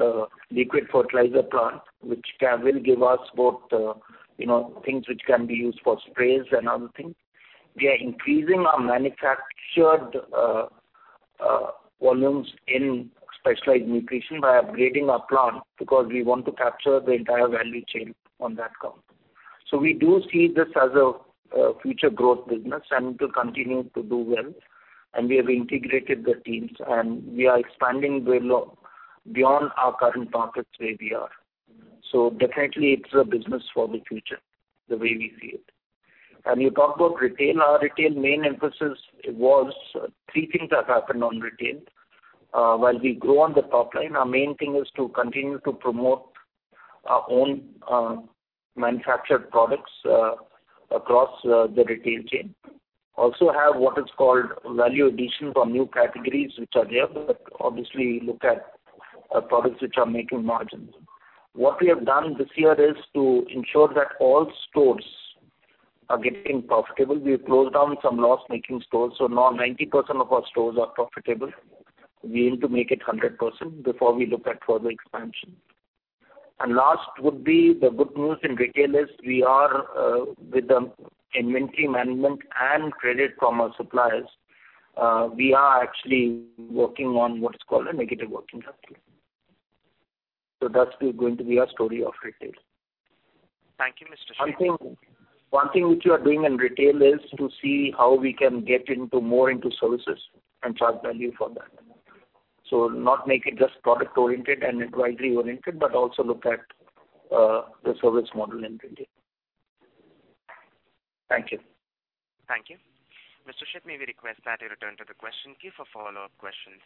a liquid fertilizer plant, which will give us both, you know, things which can be used for sprays and other things. We are increasing our manufactured volumes in specialized nutrition by upgrading our plant because we want to capture the entire value chain on that count. We do see this as a future growth business, and it will continue to do well. We have integrated the teams, and we are expanding well beyond our current markets where we are. Definitely it's a business for the future, the way we see it. You talked about retail. Our retail main emphasis was three things have happened on retail. While we grow on the top line, our main thing is to continue to promote our own manufactured products across the retail chain. Also have what is called value addition for new categories which are there, but obviously look at products which are making margins. What we have done this year is to ensure that all stores are getting profitable. We've closed down some loss-making stores, so now 90% of our stores are profitable. We aim to make it 100% before we look at further expansion. Last would be the good news in retail is we are, with the inventory management and credit from our suppliers, we are actually working on what is called a negative working capital. That's going to be our story of retail. Thank you, Mr. Sheth. One thing which we are doing in retail is to see how we can get into more into services and charge value for that. Not make it just product oriented and advisory oriented, but also look at the service model in retail. Thank you. Thank you. Mr. Sheth, may we request that you return to the question queue for follow-up questions.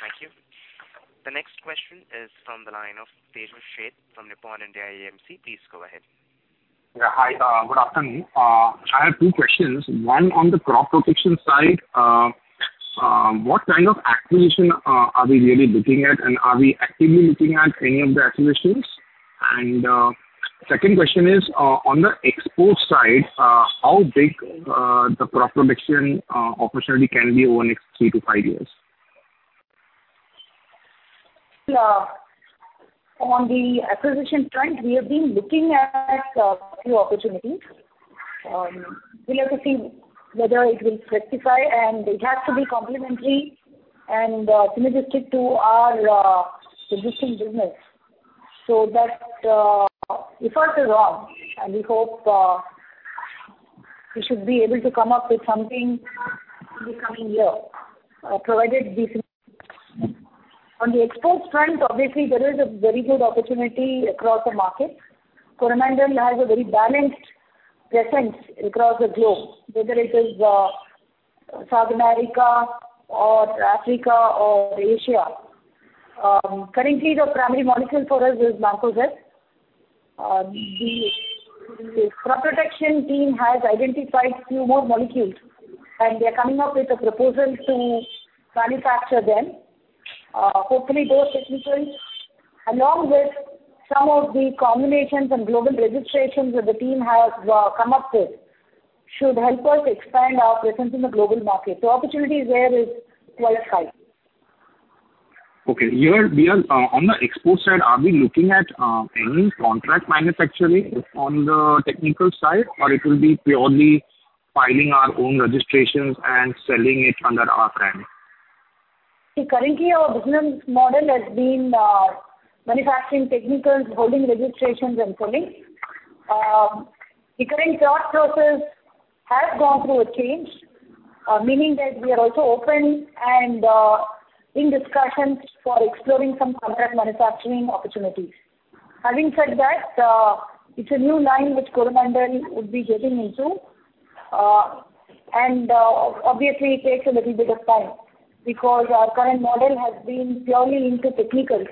Thank you. The next question is from the line of Tejas Sheth from Nippon India AMC. Please go ahead. Yeah. Hi. Good afternoon. I have two questions. One, on the crop protection side, what kind of acquisition are we really looking at, and are we actively looking at any of the acquisitions? Second question is, on the export side, how big the crop protection opportunity can be over next 3-5 years? Yeah. On the acquisition front, we have been looking at a few opportunities. We'll have to see whether it will fit, and it has to be complementary and synergistic to our traditional business. Efforts are on, and we hope we should be able to come up with something in the coming year. On the export front, obviously there is a very good opportunity across the market. Coromandel has a very balanced presence across the globe, whether it is South America or Africa or Asia. Currently the primary molecule for us is Mancozeb. The crop protection team has identified few more molecules, and they are coming up with a proposal to manufacture them. Hopefully those technicals, along with some of the combinations and global registrations that the team has come up with should help us expand our presence in the global market. The opportunity there is quite high. Okay. Here we are, on the export side, are we looking at, any contract manufacturing on the technical side, or it will be purely filing our own registrations and selling it under our brand? See, currently our business model has been manufacturing technicals, holding registrations and selling. The current thought process has gone through a change, meaning that we are also open and in discussions for exploring some contract manufacturing opportunities. Having said that, it's a new line which Coromandel would be getting into. Obviously it takes a little bit of time because our current model has been purely into technicals.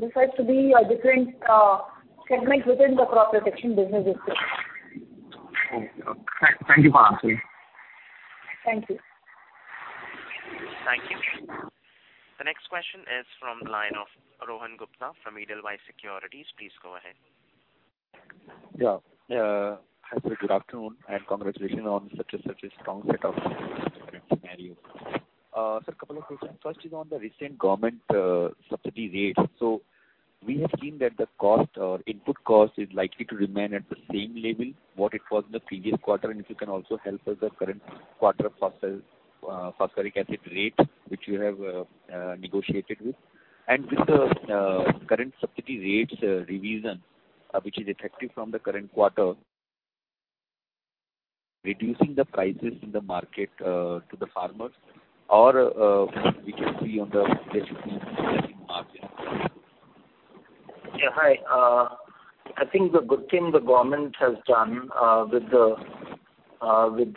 This has to be a different segment within the crop protection business itself. Okay. Thank you for answering. Thank you. Thank you. The next question is from the line of Rohan Gupta from Edelweiss Securities. Please go ahead. Yeah. Hi, good afternoon, and congratulations on such a strong set of different scenarios. A couple of questions. First is on the recent government subsidy rates. We have seen that the cost or input cost is likely to remain at the same level, what it was in the previous quarter. If you can also help us the current quarter phosphate phosphoric acid rate, which you have negotiated with. With the current subsidy rates revision, which is effective from the current quarter, reducing the prices in the market to the farmers or we can see on the market. Yeah, hi. I think the good thing the government has done, with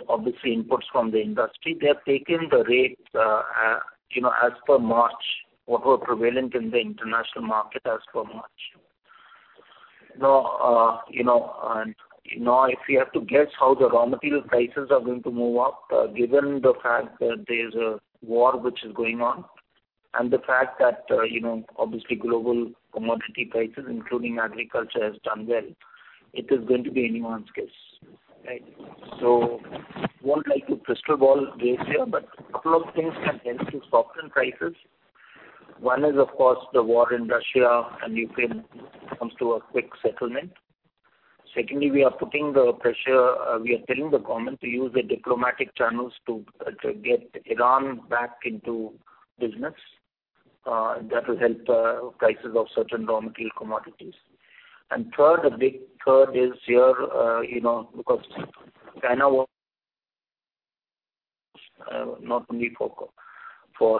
obviously inputs from the industry, they have taken the rates, as, you know, as per March, what were prevalent in the international market as per March. Now, you know, now if we have to guess how the raw material prices are going to move up, given the fact that there's a war which is going on and the fact that, you know, obviously global commodity prices, including agriculture, has done well, it is going to be anyone's guess, right? Won't like to crystal ball gaze here, but couple of things can help to soften prices. One is of course the war in Russia and Ukraine comes to a quick settlement. Secondly, we are putting the pressure, we are telling the government to use the diplomatic channels to get Iran back into business. That will help prices of certain raw material commodities. Third, the big third is here, you know, because China not only for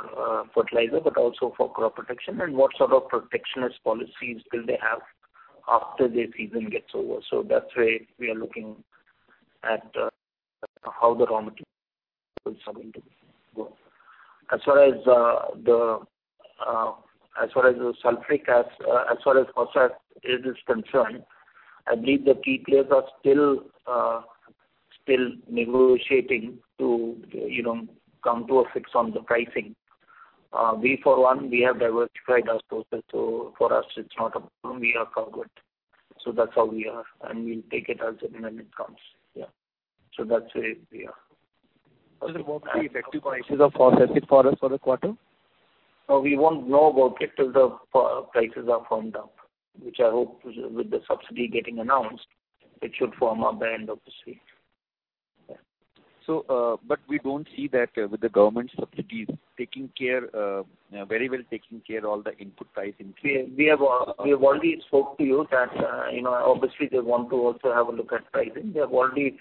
fertilizer, but also for crop protection. What sort of protectionist policies will they have after the season gets over. That's why we are looking at how the raw material is going to go. As far as phosphate is concerned, I believe the key players are still negotiating to, you know, come to a fix on the pricing. We for one, we have diversified our sources. So for us it's not a problem. We are covered. That's how we are, and we'll take it as and when it comes. Yeah. That's the way we are. What will be the effective prices of phosphate for us for the quarter? We won't know about it till the prices are firmed up, which I hope with the subsidy getting announced, it should firm up by end of this week. Yeah. We don't see that with the government subsidies taking care very well of all the input price increases. We have already spoken to you that obviously they want to also have a look at pricing. They have already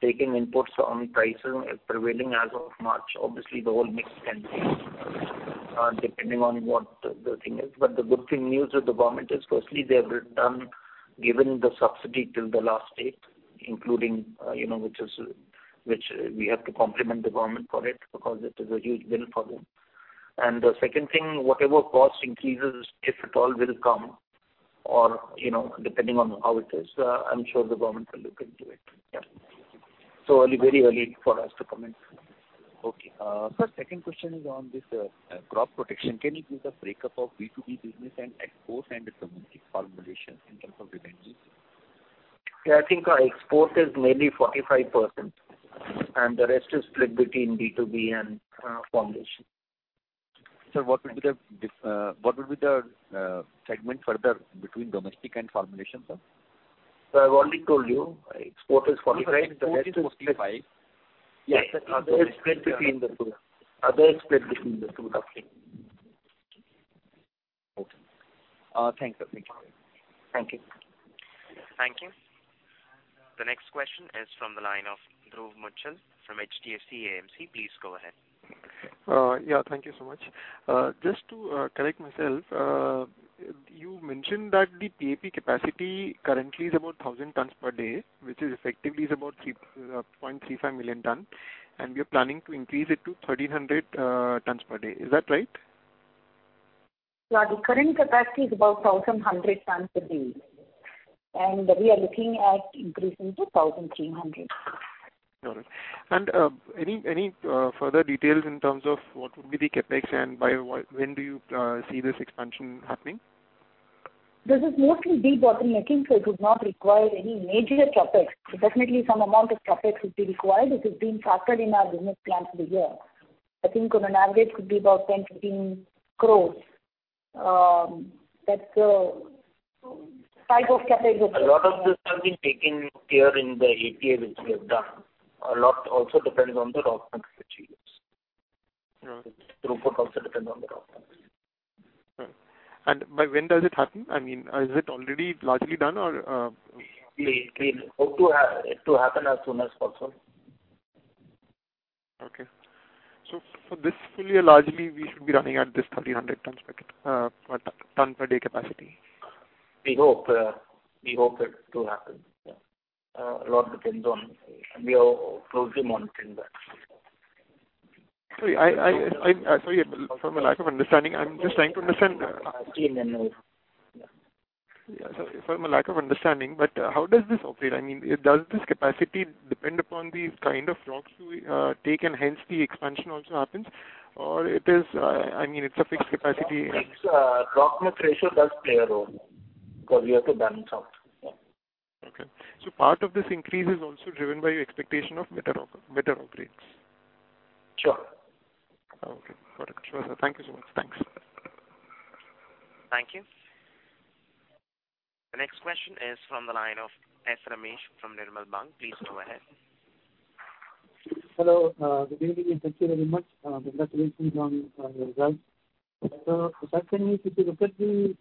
taken inputs on pricing prevailing as of March. Obviously, the whole mix can change depending on what the thing is. But the good news with the government is firstly they have given the subsidy till the last date, including which we have to compliment the government for it because it is a huge bill for them. The second thing, whatever cost increases, if at all will come or depending on how it is, I'm sure the government will look into it. Yeah. Early, very early for us to comment. Okay. Second question is on this, crop protection. Can you give the break-up of B2B business and export and domestic formulations in terms of revenues? Yeah, I think our export is mainly 45%, and the rest is split between B2B and formulation. Sir, what will be the segment further between domestic and formulation, sir? I've already told you export is 45. No, the export is $45. Yes. The rest is split between the two. The rest split between the two. Okay. Thanks, sir. Thank you. Thank you. Thank you. The next question is from the line of Dhruv Muchhal from HDFC AMC. Please go ahead. Yeah. Thank you so much. Just to correct myself, you mentioned that the PAP capacity currently is about 1,000 tons per day, which is effectively about 3.35 million tons, and you're planning to increase it to 1,300 tons per day. Is that right? Yeah. The current capacity is about 1,100 tons per day, and we are looking at increasing to 1,300. Got it. Any further details in terms of what would be the CapEx and by when do you see this expansion happening? This is mostly debottlenecking, so it would not require any major CapEx. Definitely some amount of CapEx would be required. This is being factored in our business plans this year. I think on an aggregate could be about 10-15 crores. That's the type of CapEx. A lot of this has been taken care of in the APA which we have done. A lot also depends on the rock quality which we use. All right. Throughput also depends on the rock quality. All right. By when does it happen? I mean, is it already largely done or We hope to have it happen as soon as possible. For this full year largely, we should be running at this 1,300 tons per day capacity. We hope it to happen. Yeah. A lot depends on. We are closely monitoring that. Sorry, from a lack of understanding, I'm just trying to understand. Yeah. From a lack of understanding, but how does this operate? I mean, does this capacity depend upon the kind of rocks you take and hence the expansion also happens? Or it is, I mean, it's a fixed capacity. It's rock nutrition does play a role because we have to balance out. Yeah. Okay. Part of this increase is also driven by your expectation of better rock grades. Sure. Okay. Got it. Sure, sir. Thank you so much. Thanks. Thank you. The next question is from the line of S. Ramesh from Nirmal Bang. Please go ahead. Hello. Good evening. Thank you very much. Congratulations on your results. Sir, can you, if you look at the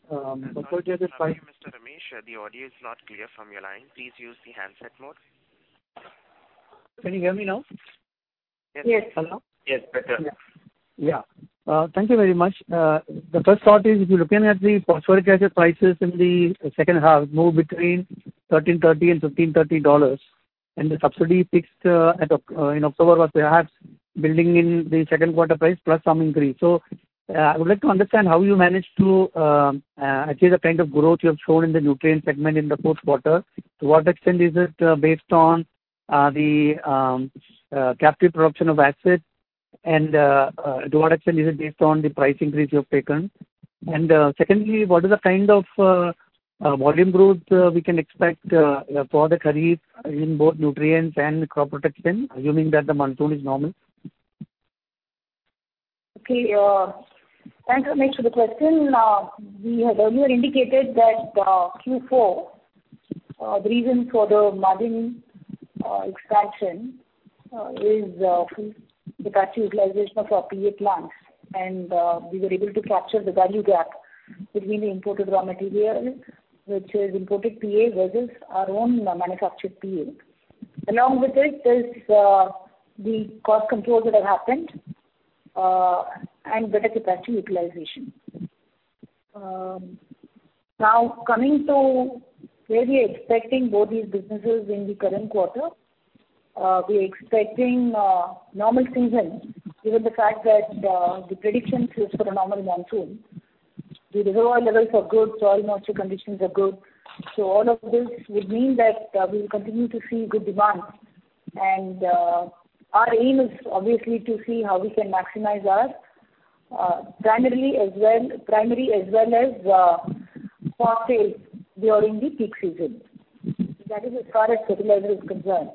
phosphoric Sorry, Mr. S. Ramesh, the audio is not clear from your line. Please use the handset mode. Can you hear me now? Yes. Hello. Yes, better. Yeah. Yeah. Thank you very much. The first thought is, if you're looking at the phosphoric acid prices in the second half, more between $1,330-$1,530, and the subsidy fixed in October was perhaps building in the second quarter price plus some increase. I would like to understand how you managed to achieve the kind of growth you have shown in the nutrient segment in the fourth quarter. To what extent is it based on the captive production of acid? And to what extent is it based on the price increase you have taken? And secondly, what is the kind of volume growth we can expect for the kharif in both nutrients and crop protection, assuming that the monsoon is normal? Okay. Thanks, Ramesh, for the question. We had earlier indicated that, Q4, the reason for the margin expansion is full capacity utilization of our PA plants. We were able to capture the value gap between the imported raw material, which is imported PA versus our own manufactured PA. Along with this is the cost controls that have happened and better capacity utilization. Now coming to where we are expecting both these businesses in the current quarter, we're expecting normal season, given the fact that the predictions is for a normal monsoon. The reservoir levels are good, soil moisture conditions are good. All of this would mean that we will continue to see good demand. Our aim is obviously to see how we can maximize our primary as well as phosphate during the peak season. That is as far as fertilizer is concerned.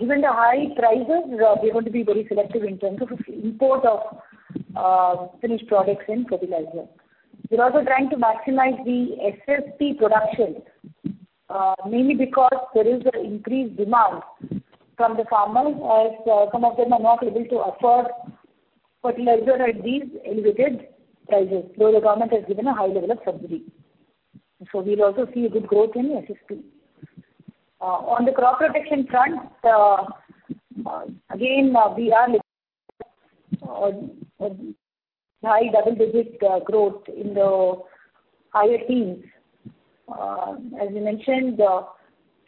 Given the high prices, we're going to be very selective in terms of import of finished products in fertilizer. We're also trying to maximize the SSP production, mainly because there is an increased demand from the farmers as some of them are not able to afford fertilizer at these elevated prices, though the government has given a high level of subsidy. We'll also see a good growth in SSP. On the crop protection front, again, we are looking at high double-digit growth in the higher teens. As we mentioned,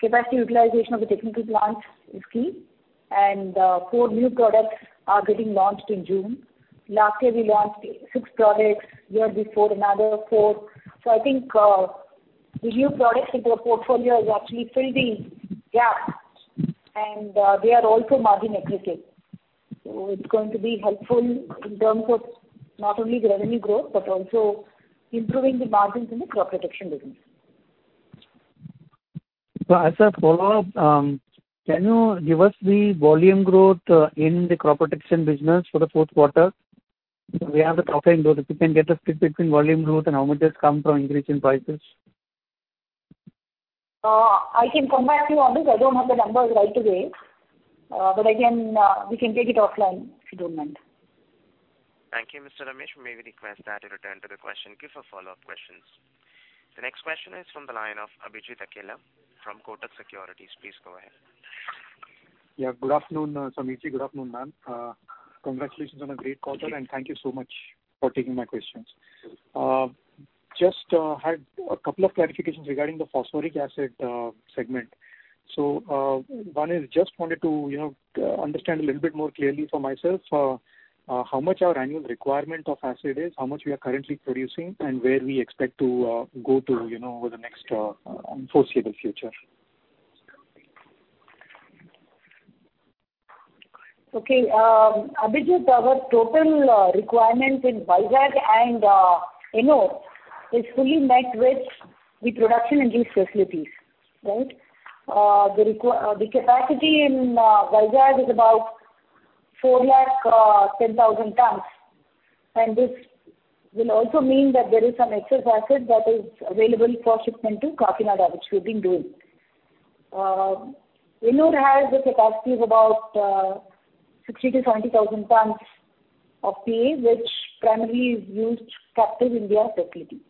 capacity utilization of the technical plants is key, and four new products are getting launched in June. Last year we launched six products, year before another four. I think the new products into our portfolio is actually filling gap, and they are also margin accretive. It's going to be helpful in terms of not only the revenue growth but also improving the margins in the crop protection business. As a follow-up, can you give us the volume growth in the crop protection business for the fourth quarter? We have the top line growth. If you can get a split between volume growth and how much has come from increase in prices. I can come back to you on this. I don't have the numbers right away. Again, we can take it offline, if you don't mind. Thank you, Mr. Ramesh. May we request that you return to the question queue for follow-up questions. The next question is from the line of Abhijit Akella from Kotak Securities. Please go ahead. Yeah. Good afternoon, Sameer. Good afternoon, ma'am. Congratulations on a great quarter, and thank you so much for taking my questions. Just had a couple of clarifications regarding the phosphoric acid segment. I just wanted to, you know, how much our annual requirement of acid is, how much we are currently producing, and where we expect to go to, you know, over the next foreseeable future. Okay. Abhijit, our total requirement in Vizag and Ennore is fully met with the production in these facilities, right? The capacity in Vizag is about 410,000 tons, and this will also mean that there is some excess acid that is available for shipment to Kakinada, which we've been doing. Ennore has a capacity of about 60,000-70,000 tons of PA which primarily is used captive in their facility.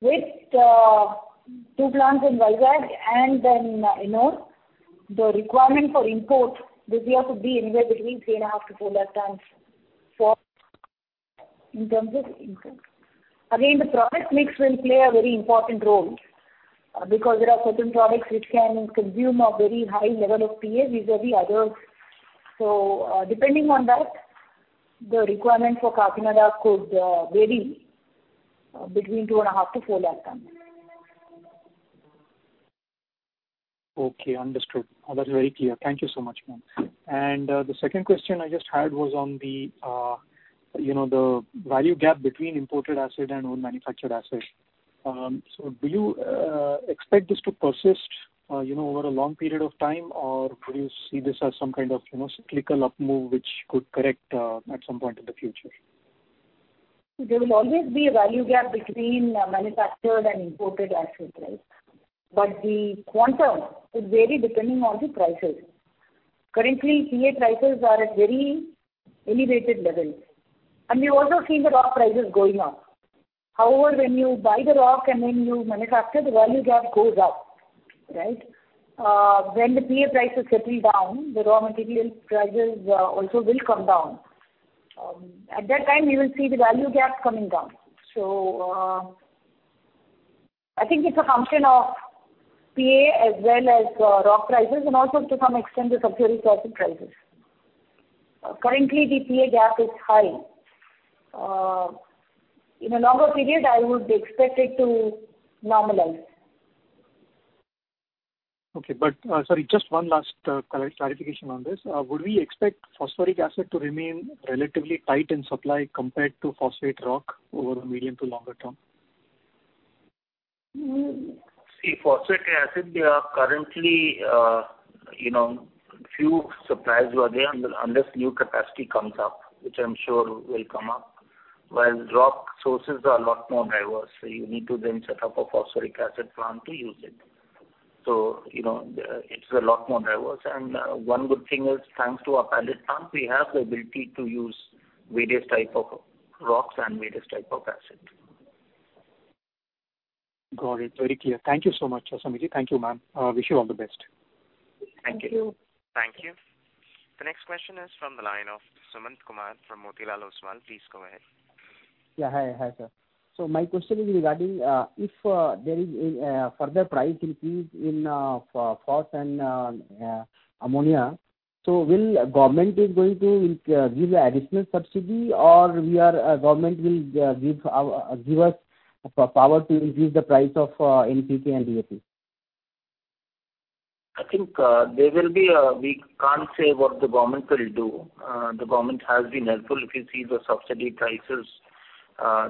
With two plants in Vizag and then Ennore, the requirement for import this year could be anywhere between 350,000-400,000 tons in terms of imports. Again, the product mix will play a very important role, because there are certain products which can consume a very high level of PAs vis-à-vis others. Depending on that, the requirement for Kakinada could vary between 2.5-4 lakh tons. Okay, understood. That's very clear. Thank you so much, ma'am. The second question I just had was on the you know, the value gap between imported acid and own manufactured acid. So do you expect this to persist you know, over a long period of time? Or do you see this as some kind of you know, cyclical up move which could correct at some point in the future? There will always be a value gap between manufactured and imported acid, right? The quantum could vary depending on the prices. Currently, PA prices are at very elevated levels, and we've also seen the rock prices going up. When you buy the rock and then you manufacture, the value gap goes up, right? When the PA prices settle down, the raw material prices also will come down. At that time, you will see the value gap coming down. I think it's a function of PA as well as rock prices and also to some extent the subsidized acid prices. Currently, the PA gap is high. In a longer period, I would expect it to normalize. Sorry, just one last clarification on this. Would we expect phosphoric acid to remain relatively tight in supply compared to phosphate rock over the medium to longer term? Mm. See, phosphoric acid, they are currently, you know, few suppliers were there unless new capacity comes up, which I'm sure will come up. While rock sources are a lot more diverse, so you need to then set up a phosphoric acid plant to use it. You know, it's a lot more diverse. One good thing is, thanks to our PAP plant, we have the ability to use various type of rocks and various type of acid. Got it. Very clear. Thank you so much, Sameer. Thank you, ma'am. Wish you all the best. Thank you. Thank you. Thank you. The next question is from the line of Sumant Kumar from Motilal Oswal. Please go ahead. Yeah. Hi. Hi, sir. My question is regarding if there is a further price increase in phos and ammonia. Will the government give additional subsidy or will the government give us power to increase the price of NPK and DAP? I think we can't say what the government will do. The government has been helpful. If you see the subsidy prices,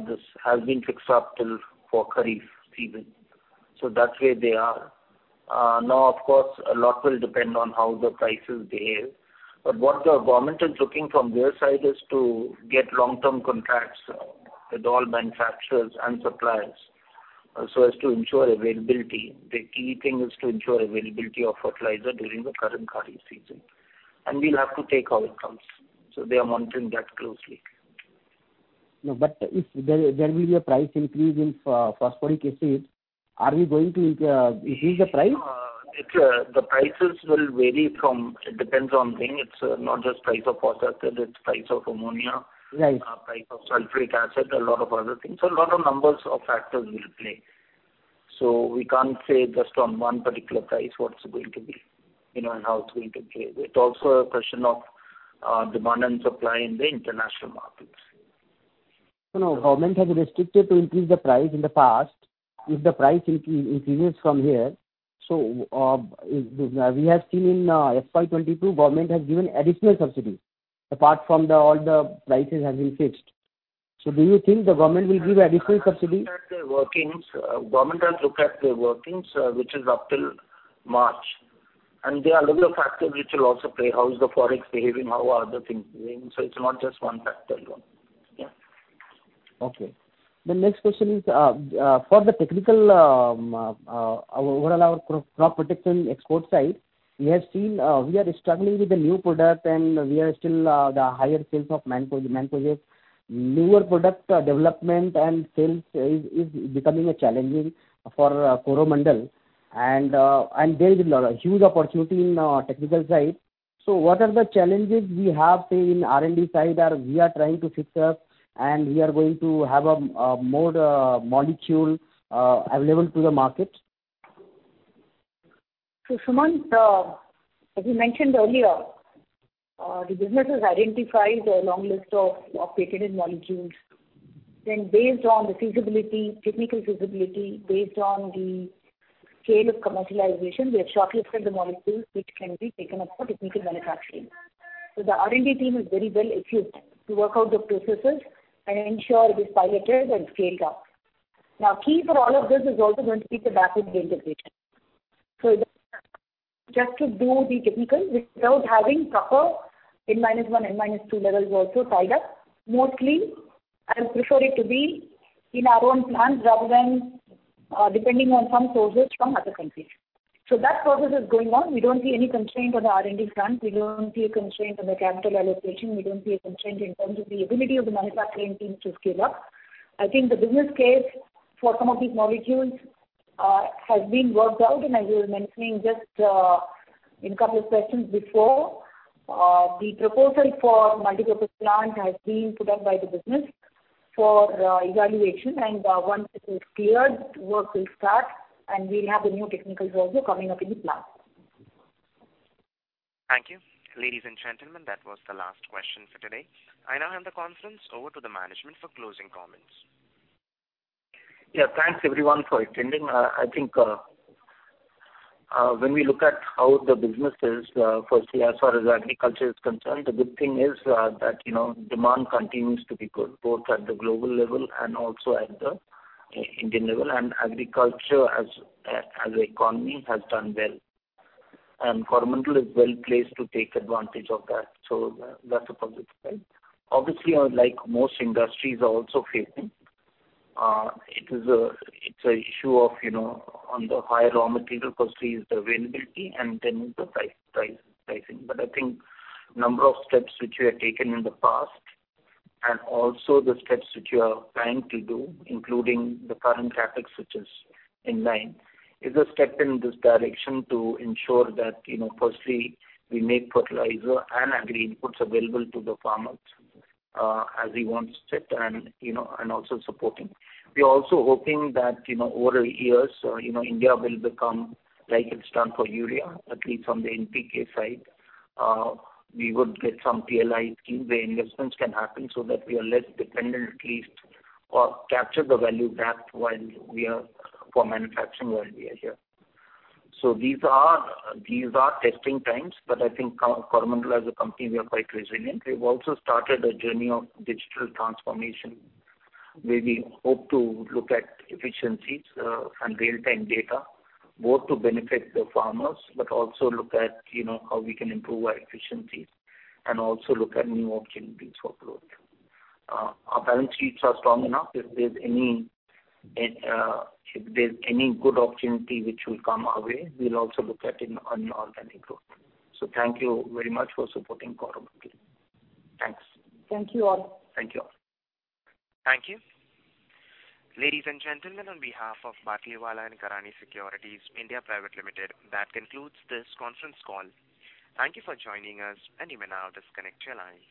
this has been fixed up till the kharif season. That way they are. Now of course, a lot will depend on how the prices behave. What the government is looking from their side is to get long-term contracts with all manufacturers and suppliers so as to ensure availability. The key thing is to ensure availability of fertilizer during the current kharif season. We'll have to take our terms. They are monitoring that closely. No, but if there will be a price increase in phosphoric acid, are we going to increase the price? The prices will vary from. It depends on things. It's not just price of phosphate, it's price of ammonia. Right. Price of sulfuric acid, a lot of other things. A lot of numbers of factors will play. We can't say just on one particular price what it's going to be, you know, and how it's going to play. It's also a question of demand and supply in the international markets. No, government has restricted to increase the price in the past. If the price increases from here, so we have seen FY 2022, government has given additional subsidy, apart from the all the prices has been fixed. Do you think the government will give additional subsidy? They're working. Government has looked at the workings, which is up till March. There are a lot of factors which will also play, how is the Forex behaving, how are other things behaving. It's not just one factor alone. Yeah. Okay. The next question is for the technical overall our crop protection export side. We have seen we are struggling with the new product and we are still tied to higher sales of Mancozeb. Newer product development and sales is becoming a challenge for Coromandel. There is a huge opportunity in technical side. What are the challenges we have, say, in R&D side, or we are trying to fix up and we are going to have more molecules available to the market? Sumanth, as we mentioned earlier, the business has identified a long list of patented molecules. Based on the feasibility, technical feasibility, based on the scale of commercialization, we have shortlisted the molecules which can be taken up for technical manufacturing. The R&D team is very well equipped to work out the processes and ensure it is piloted and scaled up. Now, key for all of this is also going to be the backward integration. Just to do the technical without having proper N minus one, N minus two levels also tied up. Mostly, I would prefer it to be in our own plants rather than depending on some sources from other countries. That process is going on. We don't see any constraint on the R&D front. We don't see a constraint on the capital allocation. We don't see a constraint in terms of the ability of the manufacturing team to scale up. I think the business case for some of these molecules has been worked out. As I was mentioning just in a couple of sessions before, the proposal for multipurpose plant has been put up by the business for evaluation. Once it is cleared, work will start and we'll have the new technicals also coming up in the plant. Thank you. Ladies and gentlemen, that was the last question for today. I now hand the conference over to the management for closing comments. Yeah. Thanks everyone for attending. I think, when we look at how the business is, firstly, as far as agriculture is concerned, the good thing is, that, you know, demand continues to be good, both at the global level and also at the Indian level. Agriculture as an economy has done well. Coromandel is well placed to take advantage of that. That's a positive sign. Obviously, like most industries are also facing, it's an issue of, you know, higher raw material costs, the availability and then the pricing. I think number of steps which we have taken in the past and also the steps which we are planning to do, including the current CapEx which is in line, is a step in this direction to ensure that, you know, firstly, we make fertilizer and agri inputs available to the farmers as he wants it and, you know, and also supporting. We are also hoping that, you know, over years, you know, India will become like it's done for urea, at least on the NPK side. We would get some PLI scheme where investments can happen so that we are less dependent at least or capture the value back while we are, for manufacturing, while we are here. These are testing times, but I think Coromandel as a company, we are quite resilient. We've also started a journey of digital transformation, where we hope to look at efficiencies and real-time data, both to benefit the farmers, but also look at, you know, how we can improve our efficiencies and also look at new opportunities for growth. Our balance sheets are strong enough. If there's any good opportunity which will come our way, we'll also look at inorganic growth. Thank you very much for supporting Coromandel. Thanks. Thank you all. Thank you. Thank you. Ladies and gentlemen, on behalf of Batlivala and Karani Securities India Private Limited, that concludes this conference call. Thank you for joining us, and you may now disconnect your lines.